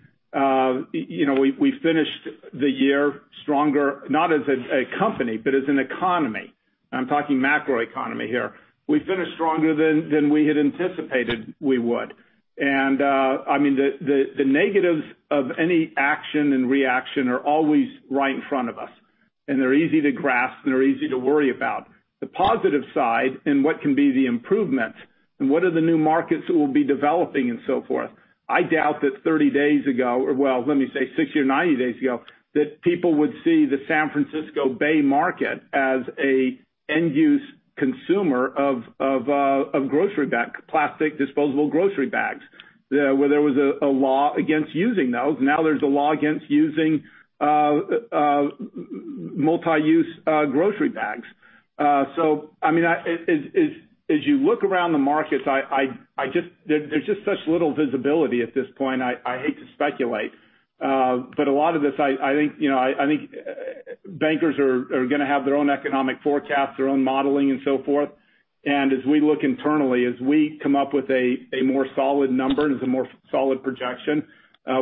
we finished the year stronger, not as a company, but as an economy. I'm talking macroeconomy here. We finished stronger than we had anticipated we would. The negatives of any action and reaction are always right in front of us, and they're easy to grasp, and they're easy to worry about. The positive side and what can be the improvements and what are the new markets that we'll be developing and so forth. I doubt that 30 days ago, or well, let me say 60 or 90 days ago, that people would see the San Francisco Bay market as an end-use consumer of plastic disposable grocery bags. Where there was a law against using those, now there's a law against using multi-use grocery bags. As you look around the markets, there's just such little visibility at this point. I hate to speculate. A lot of this, I think bankers are going to have their own economic forecast, their own modeling and so forth. As we look internally, as we come up with a more solid number and a more solid projection,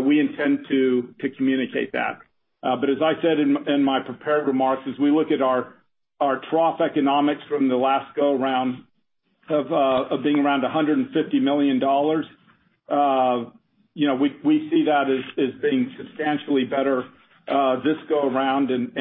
we intend to communicate that. As I said in my prepared remarks, as we look at our trough economics from the last go around of being around $150 million, we see that as being substantially better this go around, and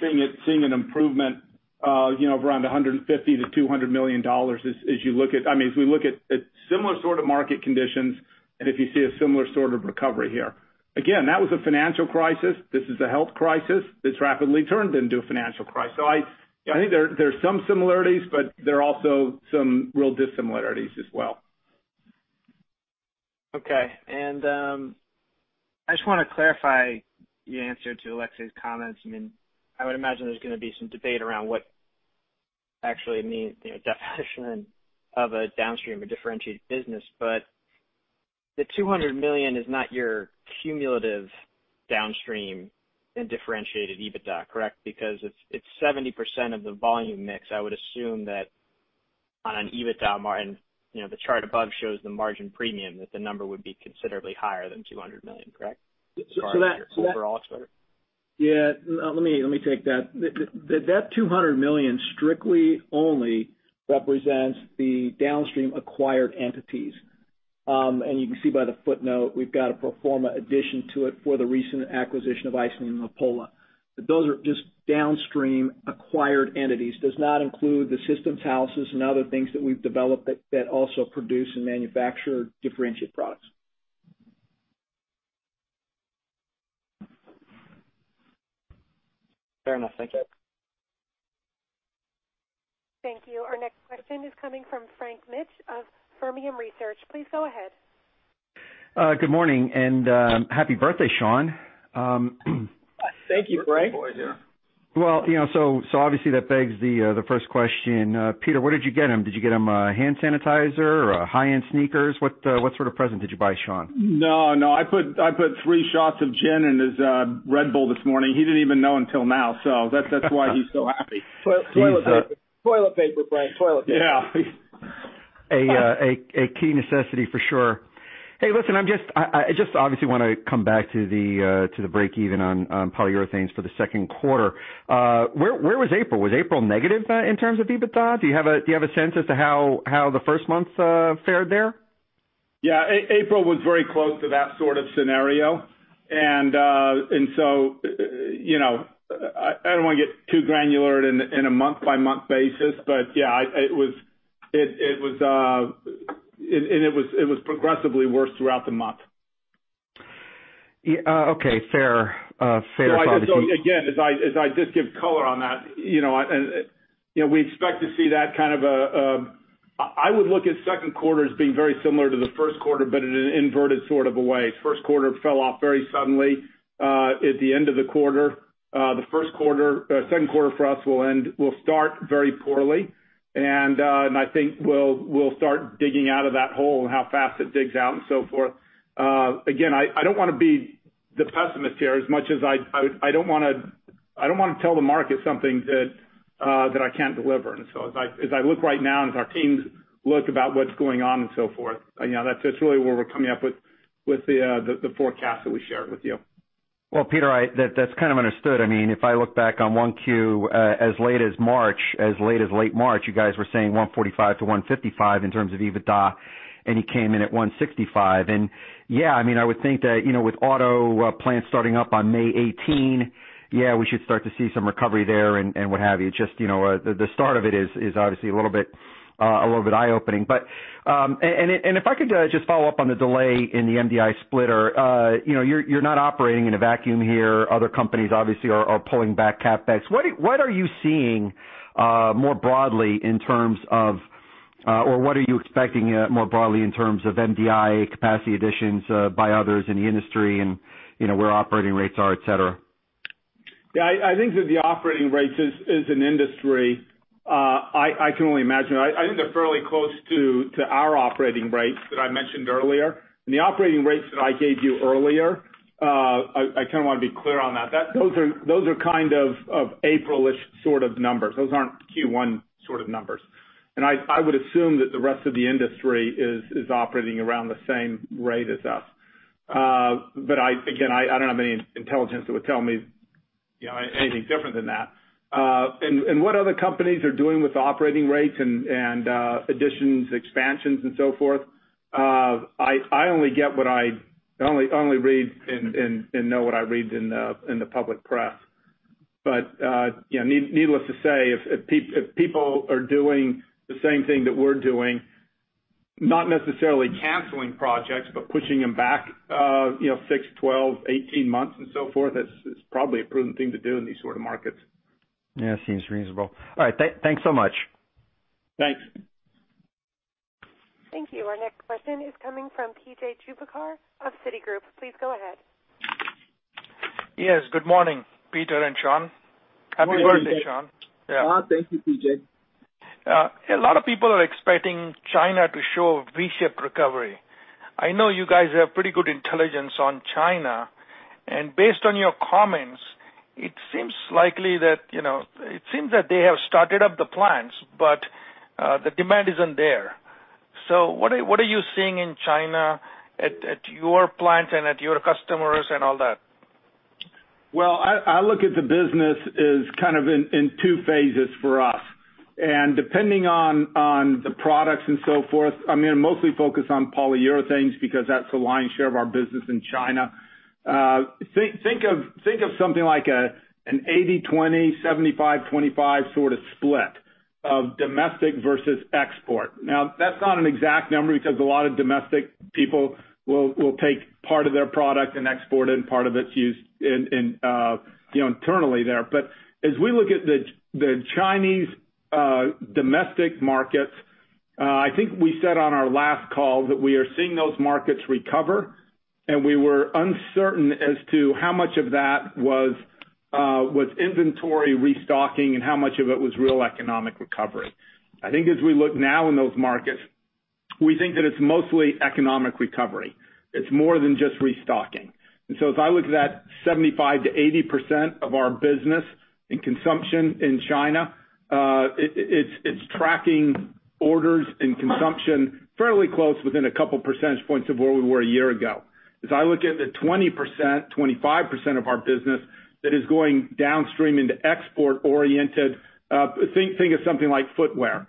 seeing an improvement of around $150 million-$200 million as we look at similar sort of market conditions and if you see a similar sort of recovery here. Again, that was a financial crisis. This is a health crisis that's rapidly turned into a financial crisis. I think there are some similarities, but there are also some real dissimilarities as well. Okay. I just want to clarify your answer to Aleksey's comments. I would imagine there's going to be some debate around what actually it means, definition of a downstream, a differentiated business. The $200 million is not your cumulative downstream and differentiated EBITDA, correct? Because it's 70% of the volume mix. I would assume that on an EBITDA margin, the chart above shows the margin premium, that the number would be considerably higher than $200 million, correct? As far as your overall exposure. Yeah. Let me take that. That $200 million strictly only represents the downstream acquired entities. You can see by the footnote, we've got a pro forma addition to it for the recent acquisition of Icynene-Lapolla. Those are just downstream acquired entities. Does not include the systems houses and other things that we've developed that also produce and manufacture differentiated products. Fair enough. Thank you. Thank you. Our next question is coming from Frank Mitsch of Fermium Research. Please go ahead. Good morning, and happy birthday, Sean. Thank you, Frank. Well, obviously that begs the first question. Peter, what did you get him? Did you get him a hand sanitizer or a high-end sneakers? What sort of present did you buy Sean? No, I put three shots of gin in his Red Bull this morning. He didn't even know until now. That's why he's so happy. Toilet paper, Frank. Toilet paper. Yeah. A key necessity for sure. Listen, I just obviously want to come back to the breakeven on polyurethanes for the second quarter. Where was April? Was April negative in terms of EBITDA? Do you have a sense as to how the first month fared there? Yeah. April was very close to that sort of scenario. I don't want to get too granular in a month-by-month basis. Yeah, it was progressively worse throughout the month. Okay. Fair. Again, as I just give color on that, we expect to see. I would look at second quarter as being very similar to the first quarter, but in an inverted sort of a way. First quarter fell off very suddenly at the end of the quarter. The second quarter for us will start very poorly. I think we'll start digging out of that hole, and how fast it digs out and so forth. Again, I don't want to be the pessimist here as much as I don't want to tell the market something that I can't deliver. As I look right now and as our teams look about what's going on and so forth, that's really where we're coming up with the forecast that we shared with you. Well, Peter, that's kind of understood. If I look back on 1Q, as late as March, as late as late March, you guys were saying $145-$155 in terms of EBITDA, and you came in at $165. Yeah, I would think that with auto plants starting up on May 18, yeah, we should start to see some recovery there and what have you. Just the start of it is obviously a little bit eye-opening. If I could just follow up on the delay in the MDI splitter. You're not operating in a vacuum here. Other companies obviously are pulling back CapEx. What are you seeing more broadly in terms of, or what are you expecting more broadly in terms of MDI capacity additions by others in the industry and where operating rates are, et cetera? Yeah, I think that the operating rates is an industry. I can only imagine. I think they're fairly close to our operating rates that I mentioned earlier. The operating rates that I gave you earlier, I kind of want to be clear on that. Those are kind of April-ish sort of numbers. Those aren't Q1 sort of numbers. I would assume that the rest of the industry is operating around the same rate as us. Again, I don't have any intelligence that would tell me anything different than that. What other companies are doing with operating rates and additions, expansions and so forth, I only read and know what I read in the public press. Needless to say, if people are doing the same thing that we're doing, not necessarily canceling projects, but pushing them back six, 12, 18 months and so forth, it's probably a prudent thing to do in these sort of markets. Yeah, seems reasonable. All right, thanks so much. Thanks. Thank you. Our next question is coming from P.J. Juvekar of Citigroup. Please go ahead. Yes, good morning, Peter and Sean. Happy birthday, Sean. Thank you, P.J. A lot of people are expecting China to show V-shaped recovery. I know you guys have pretty good intelligence on China, and based on your comments, it seems that they have started up the plants, but the demand isn't there. What are you seeing in China at your plant and at your customers and all that? Well, I look at the business as kind of in two phases for us. Depending on the products and so forth, I'm going to mostly focus on Polyurethanes because that's the lion's share of our business in China. Think of something like an 80/20, 75/25 sort of split of domestic versus export. Now, that's not an exact number because a lot of domestic people will take part of their product and export it. Part of it is used internally there. As we look at the Chinese domestic markets, I think we said on our last call that we are seeing those markets recover. We were uncertain as to how much of that was inventory restocking and how much of it was real economic recovery. I think as we look now in those markets, we think that it's mostly economic recovery. It's more than just restocking. If I look at that 75%-80% of our business in consumption in China, it's tracking orders and consumption fairly close within a couple percentage points of where we were a year ago. As I look at the 20%-25% of our business that is going downstream into export-oriented, think of something like footwear.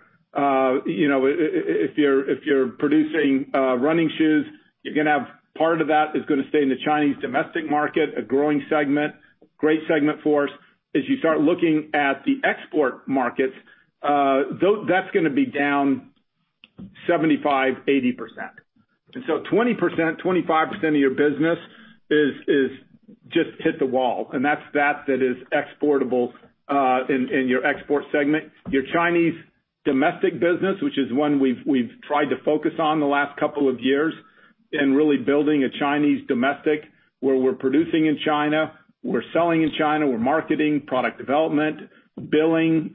If you're producing running shoes, you're going to have part of that is going to stay in the Chinese domestic market, a growing segment, great segment for us. As you start looking at the export markets, that's going to be down 75%-80%. 20%-25% of your business is just hit the wall, and that's that is exportable in your export segment. Your Chinese domestic business, which is one we've tried to focus on the last couple of years in really building a Chinese domestic, where we're producing in China, we're selling in China, we're marketing, product development, billing,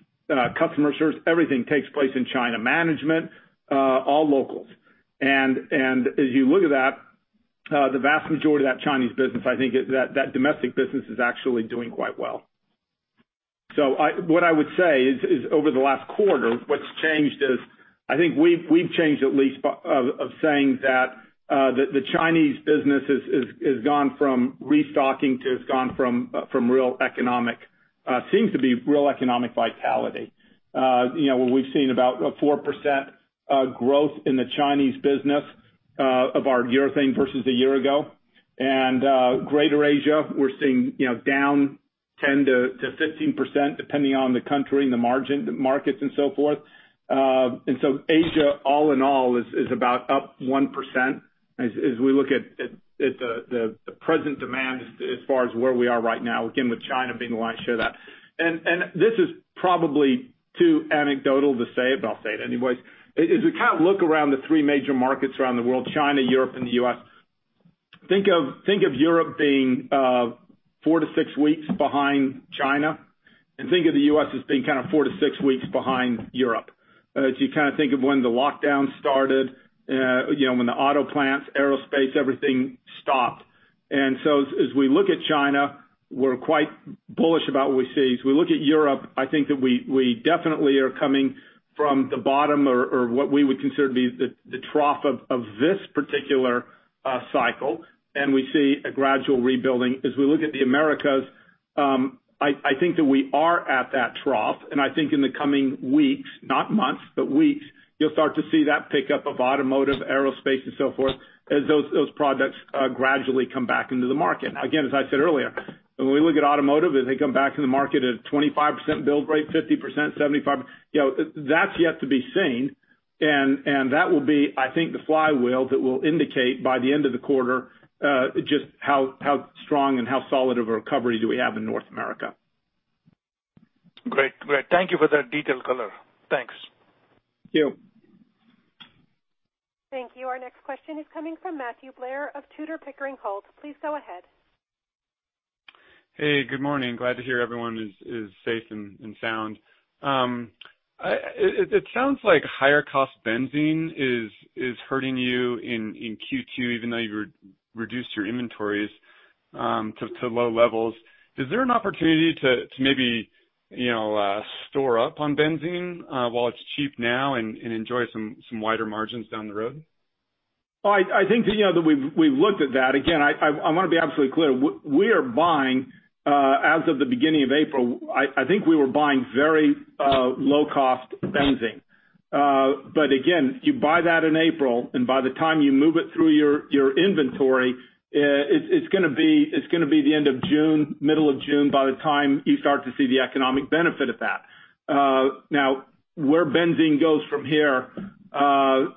customer service, everything takes place in China, management, all locals. As you look at that, the vast majority of that Chinese business, I think that domestic business is actually doing quite well. What I would say is over the last quarter, what's changed is, I think we've changed at least of saying that the Chinese business has gone from restocking to real economic seems to be real economic vitality. We've seen about a 4% growth in the Chinese business of our urethane versus a year ago. Greater Asia, we're seeing down 10%-15%, depending on the country and the markets and so forth. Asia, all in all, is about up 1% as we look at the present demand as far as where we are right now, again, with China being the lion's share of that. This is probably too anecdotal to say, but I'll say it anyways. As we look around the three major markets around the world, China, Europe, and the U.S., think of Europe being four to six weeks behind China, and think of the U.S. as being kind of four to six weeks behind Europe. As you think of when the lockdown started, when the auto plants, aerospace, everything stopped. As we look at China, we're quite bullish about what we see. As we look at Europe, I think that we definitely are coming from the bottom or what we would consider to be the trough of this particular cycle. We see a gradual rebuilding. As we look at the Americas, I think that we are at that trough. I think in the coming weeks, not months, but weeks, you'll start to see that pick up of automotive, aerospace, and so forth as those products gradually come back into the market. Again, as I said earlier, when we look at automotive, as they come back in the market at a 25% build rate, 50%, 75%, that's yet to be seen. That will be, I think, the flywheel that will indicate by the end of the quarter just how strong and how solid of a recovery do we have in North America. Great. Thank you for that detailed color. Thanks. Thank you. Thank you. Our next question is coming from Matthew Blair of Tudor, Pickering, Holt. Please go ahead. Hey, good morning. Glad to hear everyone is safe and sound. It sounds like higher cost benzene is hurting you in Q2, even though you reduced your inventories to low levels. Is there an opportunity to maybe store up on benzene while it's cheap now and enjoy some wider margins down the road? I think that we've looked at that. I want to be absolutely clear. We are buying, as of the beginning of April, I think we were buying very low-cost benzene. You buy that in April, and by the time you move it through your inventory, it's going to be the end of June, middle of June by the time you start to see the economic benefit of that. Where benzene goes from here, when I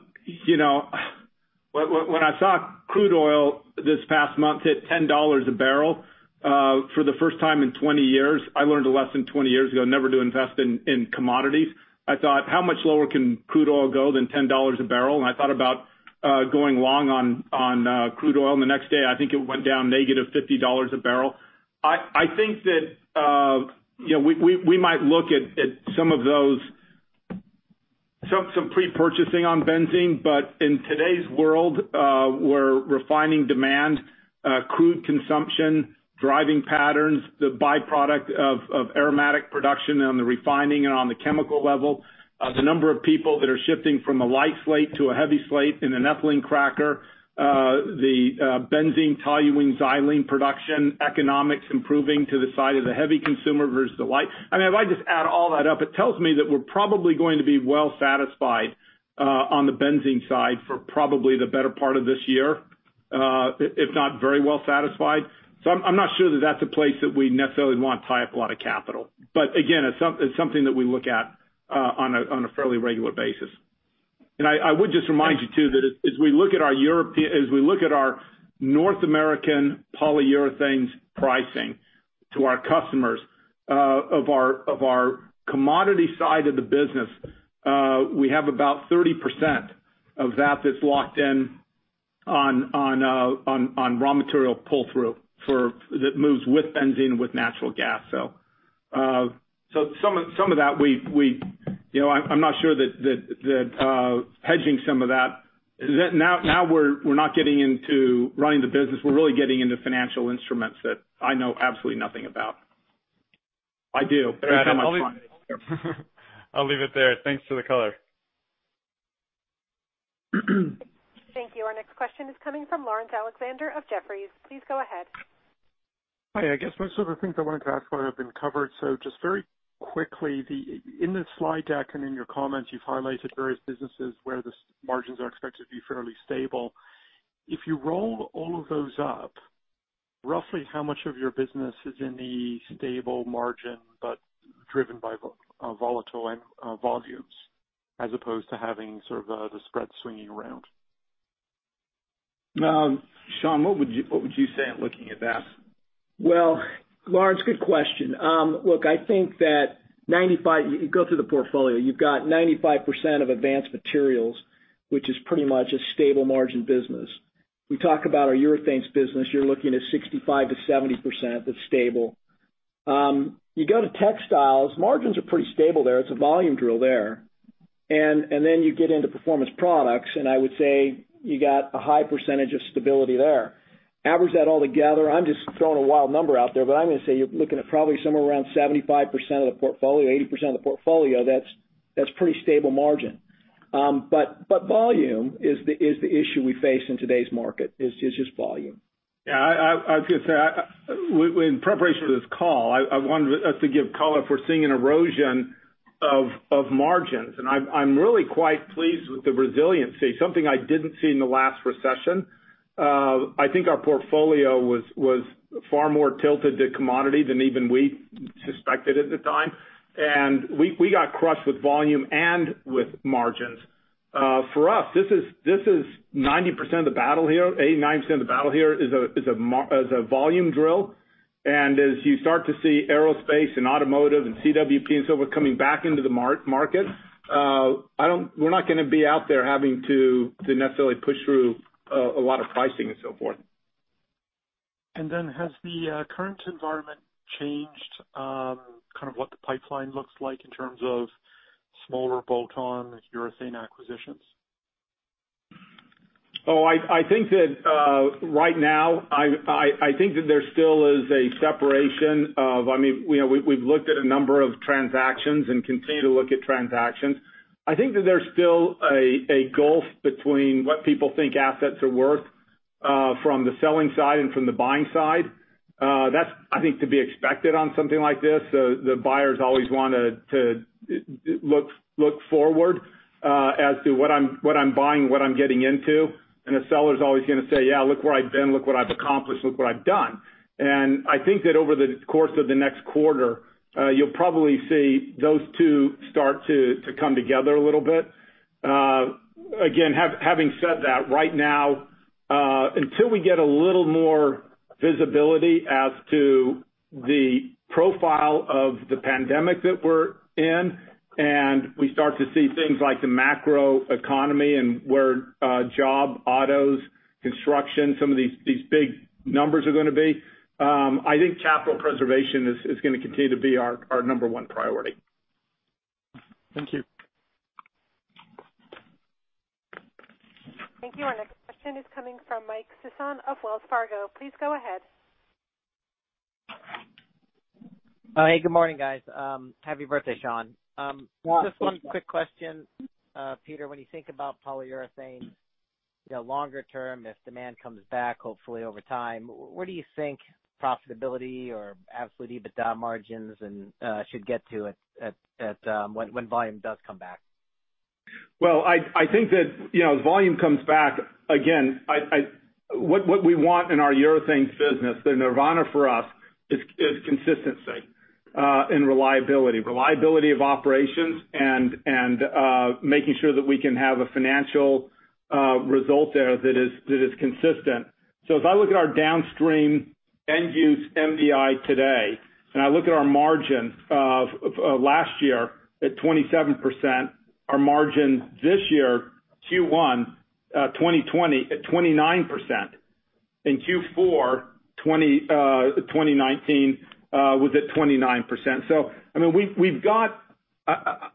saw crude oil this past month hit $10 a barrel for the first time in 20 years, I learned a lesson 20 years ago never to invest in commodities. I thought, "How much lower can crude oil go than $10 a barrel?" I thought about going long on crude oil, and the next day, I think it went down -$50 a barrel. I think that we might look at some of those, some pre-purchasing on benzene. In today's world, where refining demand, crude consumption, driving patterns, the byproduct of aromatic production on the refining and on the chemical level, the number of people that are shifting from a light slate to a heavy slate in an ethylene cracker, the benzene, toluene, xylene production economics improving to the side of the heavy consumer versus the light. If I just add all that up, it tells me that we're probably going to be well satisfied on the benzene side for probably the better part of this year if not very well satisfied. I'm not sure that that's a place that we necessarily want to tie up a lot of capital. Again, it's something that we look at on a fairly regular basis. I would just remind you, too, that as we look at our North American Polyurethanes pricing to our customers of our commodity side of the business, we have about 30% of that that's locked in on raw material pull-through that moves with benzene, with natural gas. Some of that, I'm not sure that hedging some of that. Now we're not getting into running the business. We're really getting into financial instruments that I know absolutely nothing about. I do, but they're not much fun. I'll leave it there. Thanks for the color. Thank you. Our next question is coming from Laurence Alexander of Jefferies. Please go ahead. Hi. I guess most of the things I wanted to ask about have been covered. Just very quickly, in the slide deck and in your comments, you've highlighted various businesses where the margins are expected to be fairly stable. If you roll all of those up, roughly how much of your business is in the stable margin, but driven by volatile and volumes, as opposed to having sort of the spread swinging around? Sean, what would you say looking at that? Well, Laurence, good question. Look, I think that you go through the portfolio, you've got 95% of Advanced Materials, which is pretty much a stable margin business. We talk about our urethanes business, you're looking at 65%-70% that's stable. You go to textiles, margins are pretty stable there. It's a volume drill there. You get into Performance Products, and I would say you got a high percentage of stability there. Average that all together, I'm just throwing a wild number out there, but I'm going to say you're looking at probably somewhere around 75% of the portfolio, 80% of the portfolio, that's pretty stable margin. Volume is the issue we face in today's market, is just volume. Yeah, I was going to say, in preparation for this call, I wanted us to give color if we're seeing an erosion of margins, and I'm really quite pleased with the resiliency. Something I didn't see in the last recession. I think our portfolio was far more tilted to commodity than even we suspected at the time. We got crushed with volume and with margins. For us, 90% of the battle here, 89% of the battle here is a volume drill. As you start to see aerospace and automotive and CWP and so forth coming back into the market, we're not going to be out there having to necessarily push through a lot of pricing and so forth. Has the current environment changed, kind of what the pipeline looks like in terms of smaller bolt-on urethane acquisitions? Oh, I think that right now, I think that there still is a separation. We've looked at a number of transactions and continue to look at transactions. That's, I think, to be expected on something like this. The buyers always want to look forward as to what I'm buying, what I'm getting into, and the seller's always going to say, "Yeah, look where I've been, look what I've accomplished, look what I've done." I think that over the course of the next quarter, you'll probably see those two start to come together a little bit. Having said that, right now, until we get a little more visibility as to the profile of the pandemic that we're in, and we start to see things like the macro economy and where job, autos, construction, some of these big numbers are going to be, I think capital preservation is going to continue to be our number one priority. Thank you. Thank you. Our next question is coming from Michael Sison of Wells Fargo. Please go ahead. Hey, good morning, guys. Happy birthday, Sean. Well, thank you. Just one quick question. Peter, when you think about polyurethane, longer term, if demand comes back, hopefully over time, where do you think profitability or absolute EBITDA margins should get to when volume does come back? Well, I think that as volume comes back, again, what we want in our urethanes business, the nirvana for us is consistency and reliability. Reliability of operations and making sure that we can have a financial result there that is consistent. If I look at our downstream end use MDI today, and I look at our margin of last year at 27%, our margin this year, Q1 2020 at 29%, in Q4 2019 was at 29%.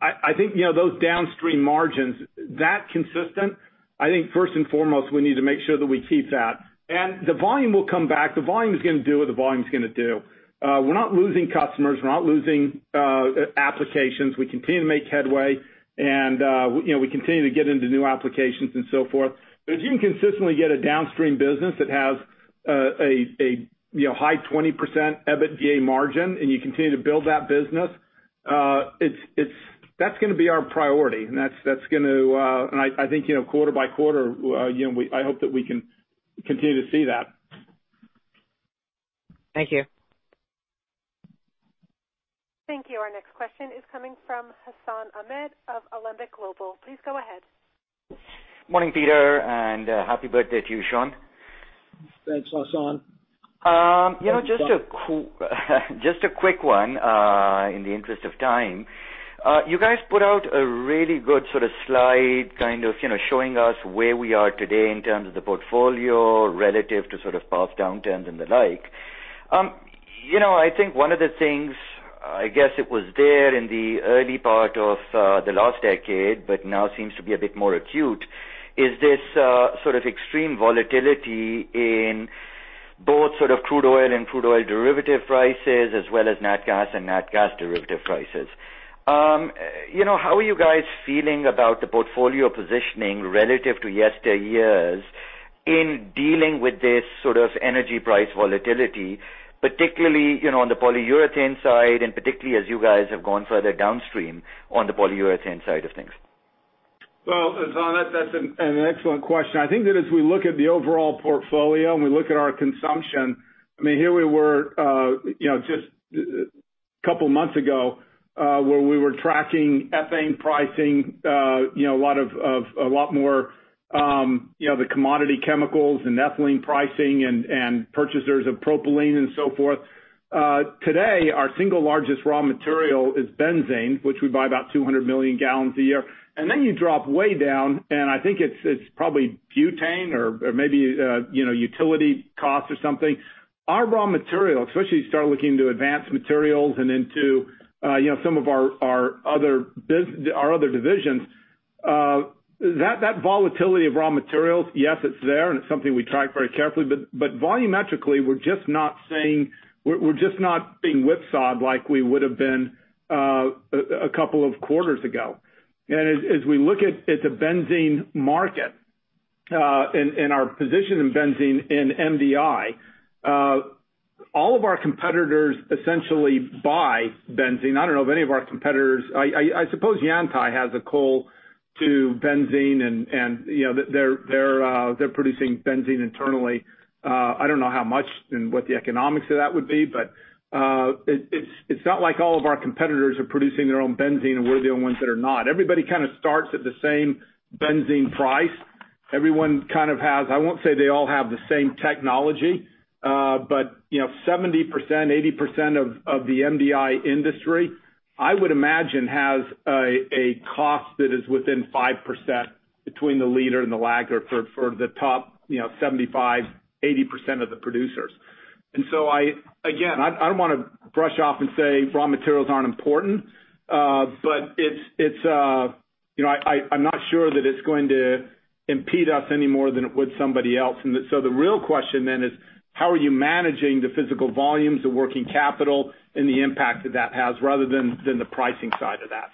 I think those downstream margins, that consistent, I think first and foremost, we need to make sure that we keep that. The volume will come back. The volume is going to do what the volume is going to do. We're not losing customers. We're not losing applications. We continue to make headway and we continue to get into new applications and so forth. If you can consistently get a downstream business that has a high 20% EBITDA margin and you continue to build that business, that's going to be our priority. I think quarter-by-quarter, I hope that we can continue to see that. Thank you. Thank you. Our next question is coming from Hassan Ahmed of Alembic Global. Please go ahead. Morning, Peter, and happy birthday to you, Sean. Thanks, Hassan. Just a quick one in the interest of time. You guys put out a really good sort of slide, kind of showing us where we are today in terms of the portfolio relative to sort of past downturns and the like. I think one of the things, I guess it was there in the early part of the last decade, but now seems to be a bit more acute, is this sort of extreme volatility in both sort of crude oil and crude oil derivative prices, as well as nat gas and nat gas derivative prices. How are you guys feeling about the portfolio positioning relative to yesteryears in dealing with this sort of energy price volatility, particularly on the polyurethane side, and particularly as you guys have gone further downstream on the polyurethane side of things? Well, Hassan, that's an excellent question. I think that as we look at the overall portfolio and we look at our consumption, here we were just a couple of months ago where we were tracking ethane pricing, a lot more of the commodity chemicals and ethylene pricing and purchasers of propylene and so forth. Today, our single largest raw material is benzene, which we buy about 200 million gallons a year. Then you drop way down, and I think it's probably butane or maybe utility costs or something. Our raw material, especially if you start looking to Advanced Materials and into some of our other divisions, that volatility of raw materials, yes, it's there, and it's something we track very carefully, but volumetrically, we're just not being whipsawed like we would have been a couple of quarters ago. As we look at the benzene market and our position in benzene in MDI, all of our competitors essentially buy benzene. I don't know of any of our competitors. I suppose Yantai has a coal to benzene, and they're producing benzene internally. I don't know how much and what the economics of that would be, but it's not like all of our competitors are producing their own benzene and we're the only ones that are not. Everybody kind of starts at the same benzene price. Everyone kind of has, I won't say they all have the same technology, but 70%-80% of the MDI industry, I would imagine, has a cost that is within 5% between the leader and the lagger for the top 75%-80% of the producers. Again, I don't want to brush off and say raw materials aren't important, but I'm not sure that it's going to impede us any more than it would somebody else. The real question then is how are you managing the physical volumes, the working capital, and the impact that that has rather than the pricing side of that.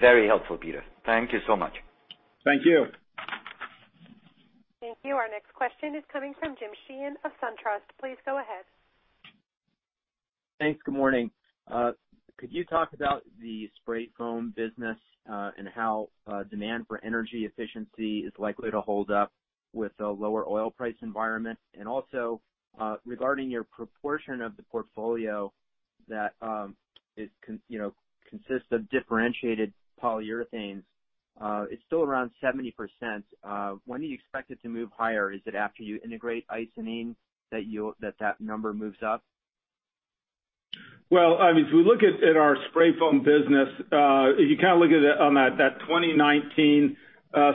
Very helpful, Peter. Thank you so much. Thank you. Thank you. Our next question is coming from Jim Sheehan of SunTrust. Please go ahead. Thanks. Good morning. Could you talk about the spray foam business and how demand for energy efficiency is likely to hold up with a lower oil price environment? Also regarding your proportion of the portfolio that consists of differentiated polyurethanes, it's still around 70%. When do you expect it to move higher? Is it after you integrate Icynene-Lapolla that number moves up? Well, if we look at our spray foam business, if you look at that 2019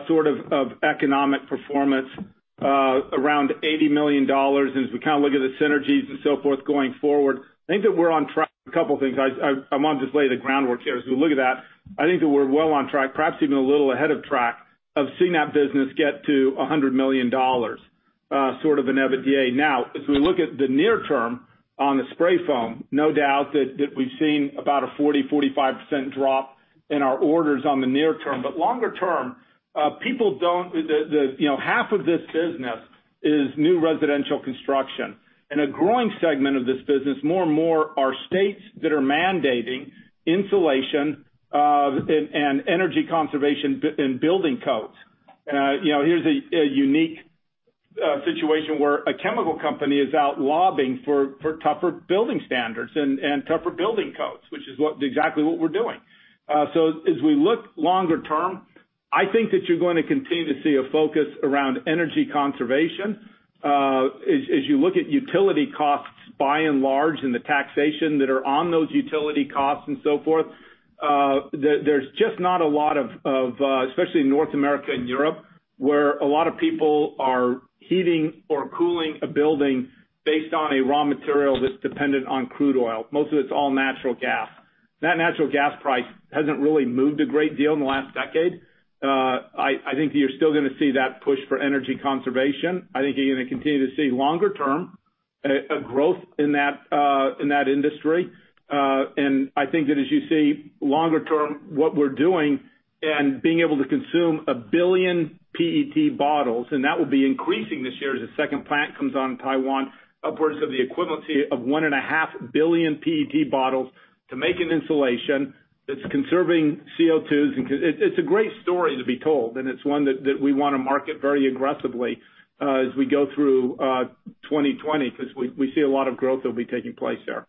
sort of economic performance around $80 million. As we look at the synergies and so forth going forward, I think that we're on track. A couple of things. I want to just lay the groundwork here. As we look at that, I think that we're well on track, perhaps even a little ahead of track of seeing that business get to $100 million sort of an EBITDA. Now, as we look at the near term on the spray foam, no doubt that we've seen about a 40%-45% drop in our orders on the near term. Longer term, half of this business is new residential construction. A growing segment of this business, more and more, are states that are mandating insulation and energy conservation in building codes. Here's a unique situation where a chemical company is out lobbying for tougher building standards and tougher building codes, which is exactly what we're doing. As we look longer term, I think that you're going to continue to see a focus around energy conservation. As you look at utility costs by and large, and the taxation that are on those utility costs and so forth, there's just not a lot of, especially in North America and Europe, where a lot of people are heating or cooling a building based on a raw material that's dependent on crude oil. Most of it's all natural gas. That natural gas price hasn't really moved a great deal in the last decade. I think that you're still going to see that push for energy conservation. I think you're going to continue to see longer term growth in that industry. I think that as you see longer term what we're doing and being able to consume one billion PET bottles, and that will be increasing this year as the second plant comes on in Taiwan, upwards of the equivalency of 1.5 billion PET bottles to make an insulation that's conserving CO2. It's a great story to be told, and it's one that we want to market very aggressively as we go through 2020 because we see a lot of growth that will be taking place there.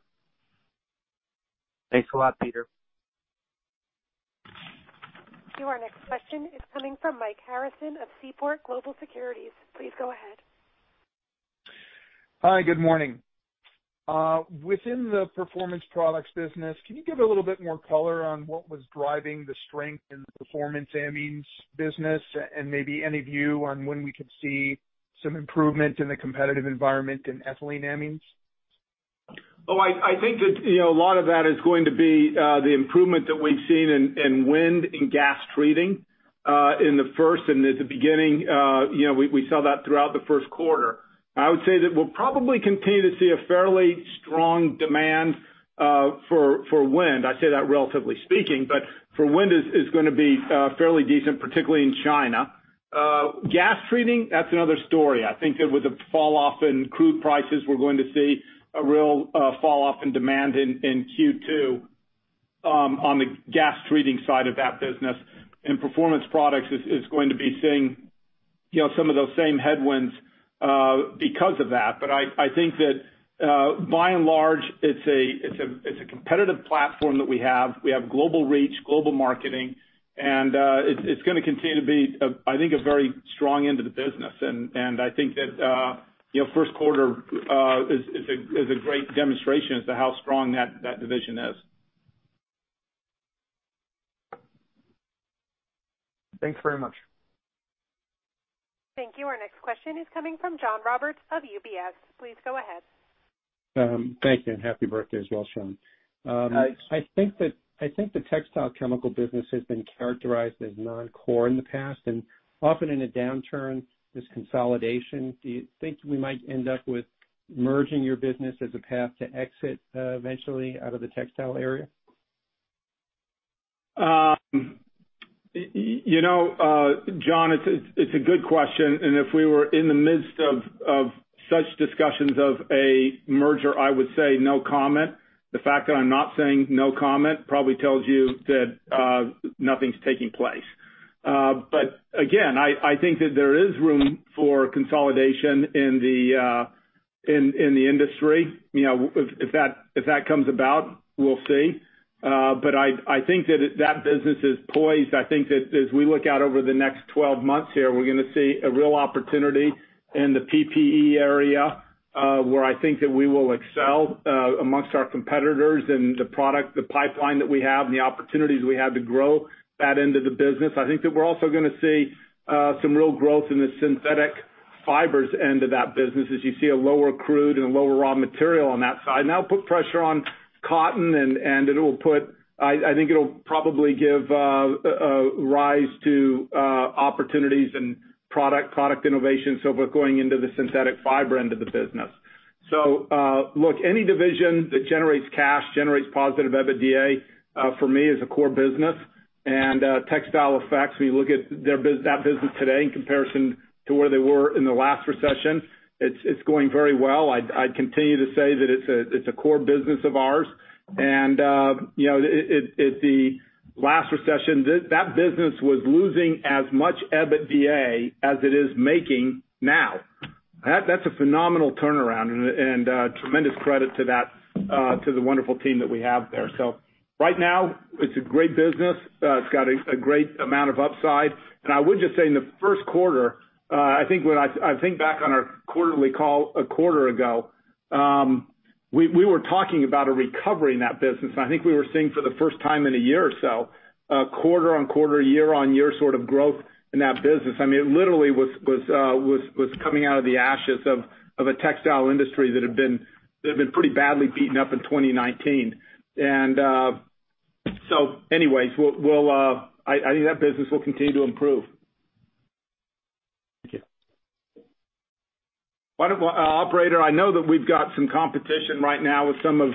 Thanks a lot, Peter. Our next question is coming from Mike Harrison of Seaport Global Securities. Please go ahead. Hi, good morning. Within the Performance Products business, can you give a little bit more color on what was driving the strength in the performance amines business and maybe any view on when we could see some improvement in the competitive environment in ethyleneamines? I think that a lot of that is going to be the improvement that we've seen in wind and gas treating. We saw that throughout the first quarter. I would say that we'll probably continue to see a fairly strong demand for wind. I say that relatively speaking, for wind it's going to be fairly decent, particularly in China. Gas treating, that's another story. I think that with the fall off in crude prices, we're going to see a real fall off in demand in Q2 on the gas treating side of that business, and Performance Products is going to be seeing some of those same headwinds because of that. I think that by and large, it's a competitive platform that we have. We have global reach, global marketing, and it's going to continue to be, I think, a very strong end of the business. I think that first quarter is a great demonstration as to how strong that division is. Thanks very much. Thank you. Our next question is coming from John Roberts of UBS. Please go ahead. Thank you, and happy birthday as well, Sean. Thanks. I think the Textile Chemical business has been characterized as non-core in the past, and often in a downturn, there's consolidation. Do you think we might end up with merging your business as a path to exit eventually out of the textile area? John, it's a good question, and if we were in the midst of such discussions of a merger, I would say no comment. The fact that I'm not saying no comment probably tells you that nothing's taking place. Again, I think that there is room for consolidation in the industry. If that comes about, we'll see. I think that that business is poised. I think that as we look out over the next 12 months here, we're going to see a real opportunity in the PPE area where I think that we will excel amongst our competitors and the product, the pipeline that we have and the opportunities we have to grow that end of the business. I think that we're also going to see some real growth in the synthetic fibers end of that business as you see a lower crude and a lower raw material on that side. That'll put pressure on cotton, and I think it'll probably give rise to opportunities and product innovation. We're going into the synthetic fiber end of the business. Look, any division that generates cash, generates positive EBITDA, for me, is a core business. Textile Effects, when you look at that business today in comparison to where they were in the last recession, it's going very well. I'd continue to say that it's a core business of ours. At the last recession, that business was losing as much EBITDA as it is making now. That's a phenomenal turnaround and tremendous credit to the wonderful team that we have there. Right now, it's a great business. It's got a great amount of upside. I would just say in the first quarter, I think back on our quarterly call a quarter ago, we were talking about a recovery in that business, and I think we were seeing for the first time in a year or so, quarter-on-quarter, year-on-year sort of growth in that business. It literally was coming out of the ashes of a textile industry that had been pretty badly beaten up in 2019. Anyways, I think that business will continue to improve. Thank you. Wonderful. Operator, I know that we've got some competition right now with some of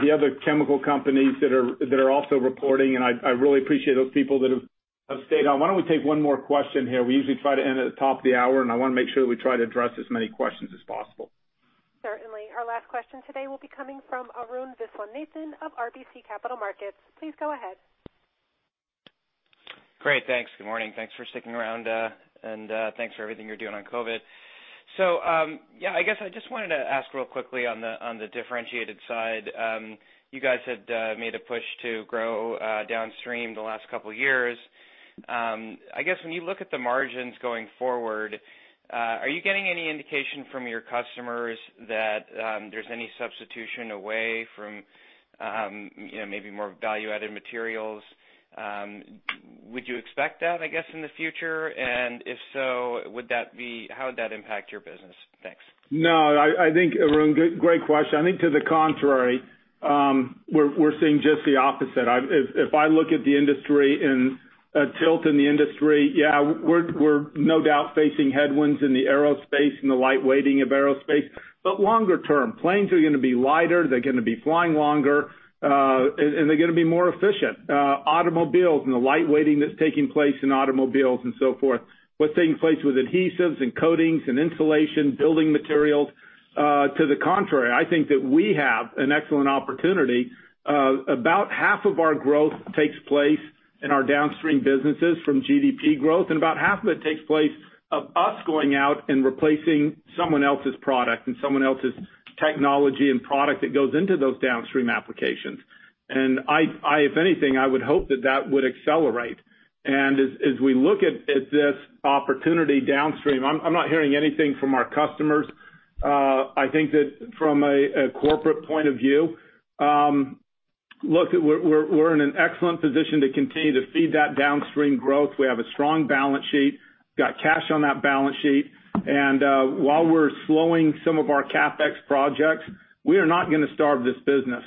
the other chemical companies that are also reporting, and I really appreciate those people that have stayed on. Why don't we take one more question here? We usually try to end at the top of the hour, and I want to make sure that we try to address as many questions as possible. Certainly. Our last question today will be coming from Arun Viswanathan of RBC Capital Markets. Please go ahead. Great. Thanks. Good morning. Thanks for sticking around, and thanks for everything you're doing on COVID-19. Yeah, I guess I just wanted to ask real quickly on the differentiated side. You guys had made a push to grow downstream the last couple of years. I guess when you look at the margins going forward, are you getting any indication from your customers that there's any substitution away from maybe more value-added materials? Would you expect that, I guess, in the future? If so, how would that impact your business? Thanks. No, Arun, great question. I think to the contrary, we're seeing just the opposite. If I look at the industry and a tilt in the industry, yeah, we're no doubt facing headwinds in the aerospace and the light weighting of aerospace. Longer term, planes are going to be lighter, they're going to be flying longer, and they're going to be more efficient. Automobiles and the light weighting that's taking place in automobiles and so forth. What's taking place with adhesives and coatings and insulation, building materials, to the contrary, I think that we have an excellent opportunity. About half of our growth takes place in our downstream businesses from GDP growth, and about half of it takes place of us going out and replacing someone else's product and someone else's technology and product that goes into those downstream applications. If anything, I would hope that that would accelerate. As we look at this opportunity downstream, I'm not hearing anything from our customers. I think that from a corporate point of view, look, we're in an excellent position to continue to feed that downstream growth. We have a strong balance sheet, got cash on that balance sheet, and while we're slowing some of our CapEx projects, we are not going to starve this business.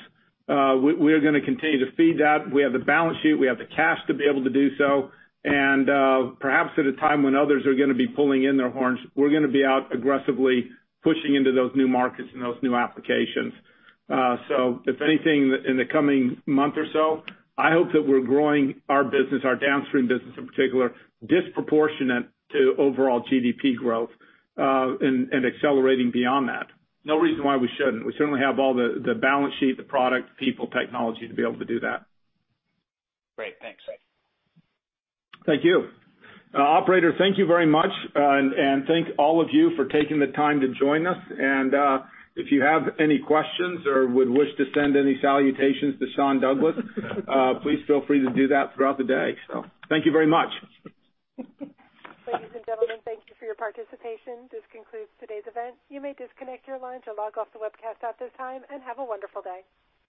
We are going to continue to feed that. We have the balance sheet, we have the cash to be able to do so. Perhaps at a time when others are going to be pulling in their horns, we're going to be out aggressively pushing into those new markets and those new applications. If anything, in the coming month or so, I hope that we're growing our business, our downstream business in particular, disproportionate to overall GDP growth, and accelerating beyond that. No reason why we shouldn't. We certainly have all the balance sheet, the product, people, technology to be able to do that. Great. Thanks. Thank you. Operator, thank you very much, and thank all of you for taking the time to join us. If you have any questions or would wish to send any salutations to Sean Douglas, please feel free to do that throughout the day. Thank you very much. Ladies and gentlemen, thank you for your participation. This concludes today's event. You may disconnect your line or log off the webcast at this time, and have a wonderful day.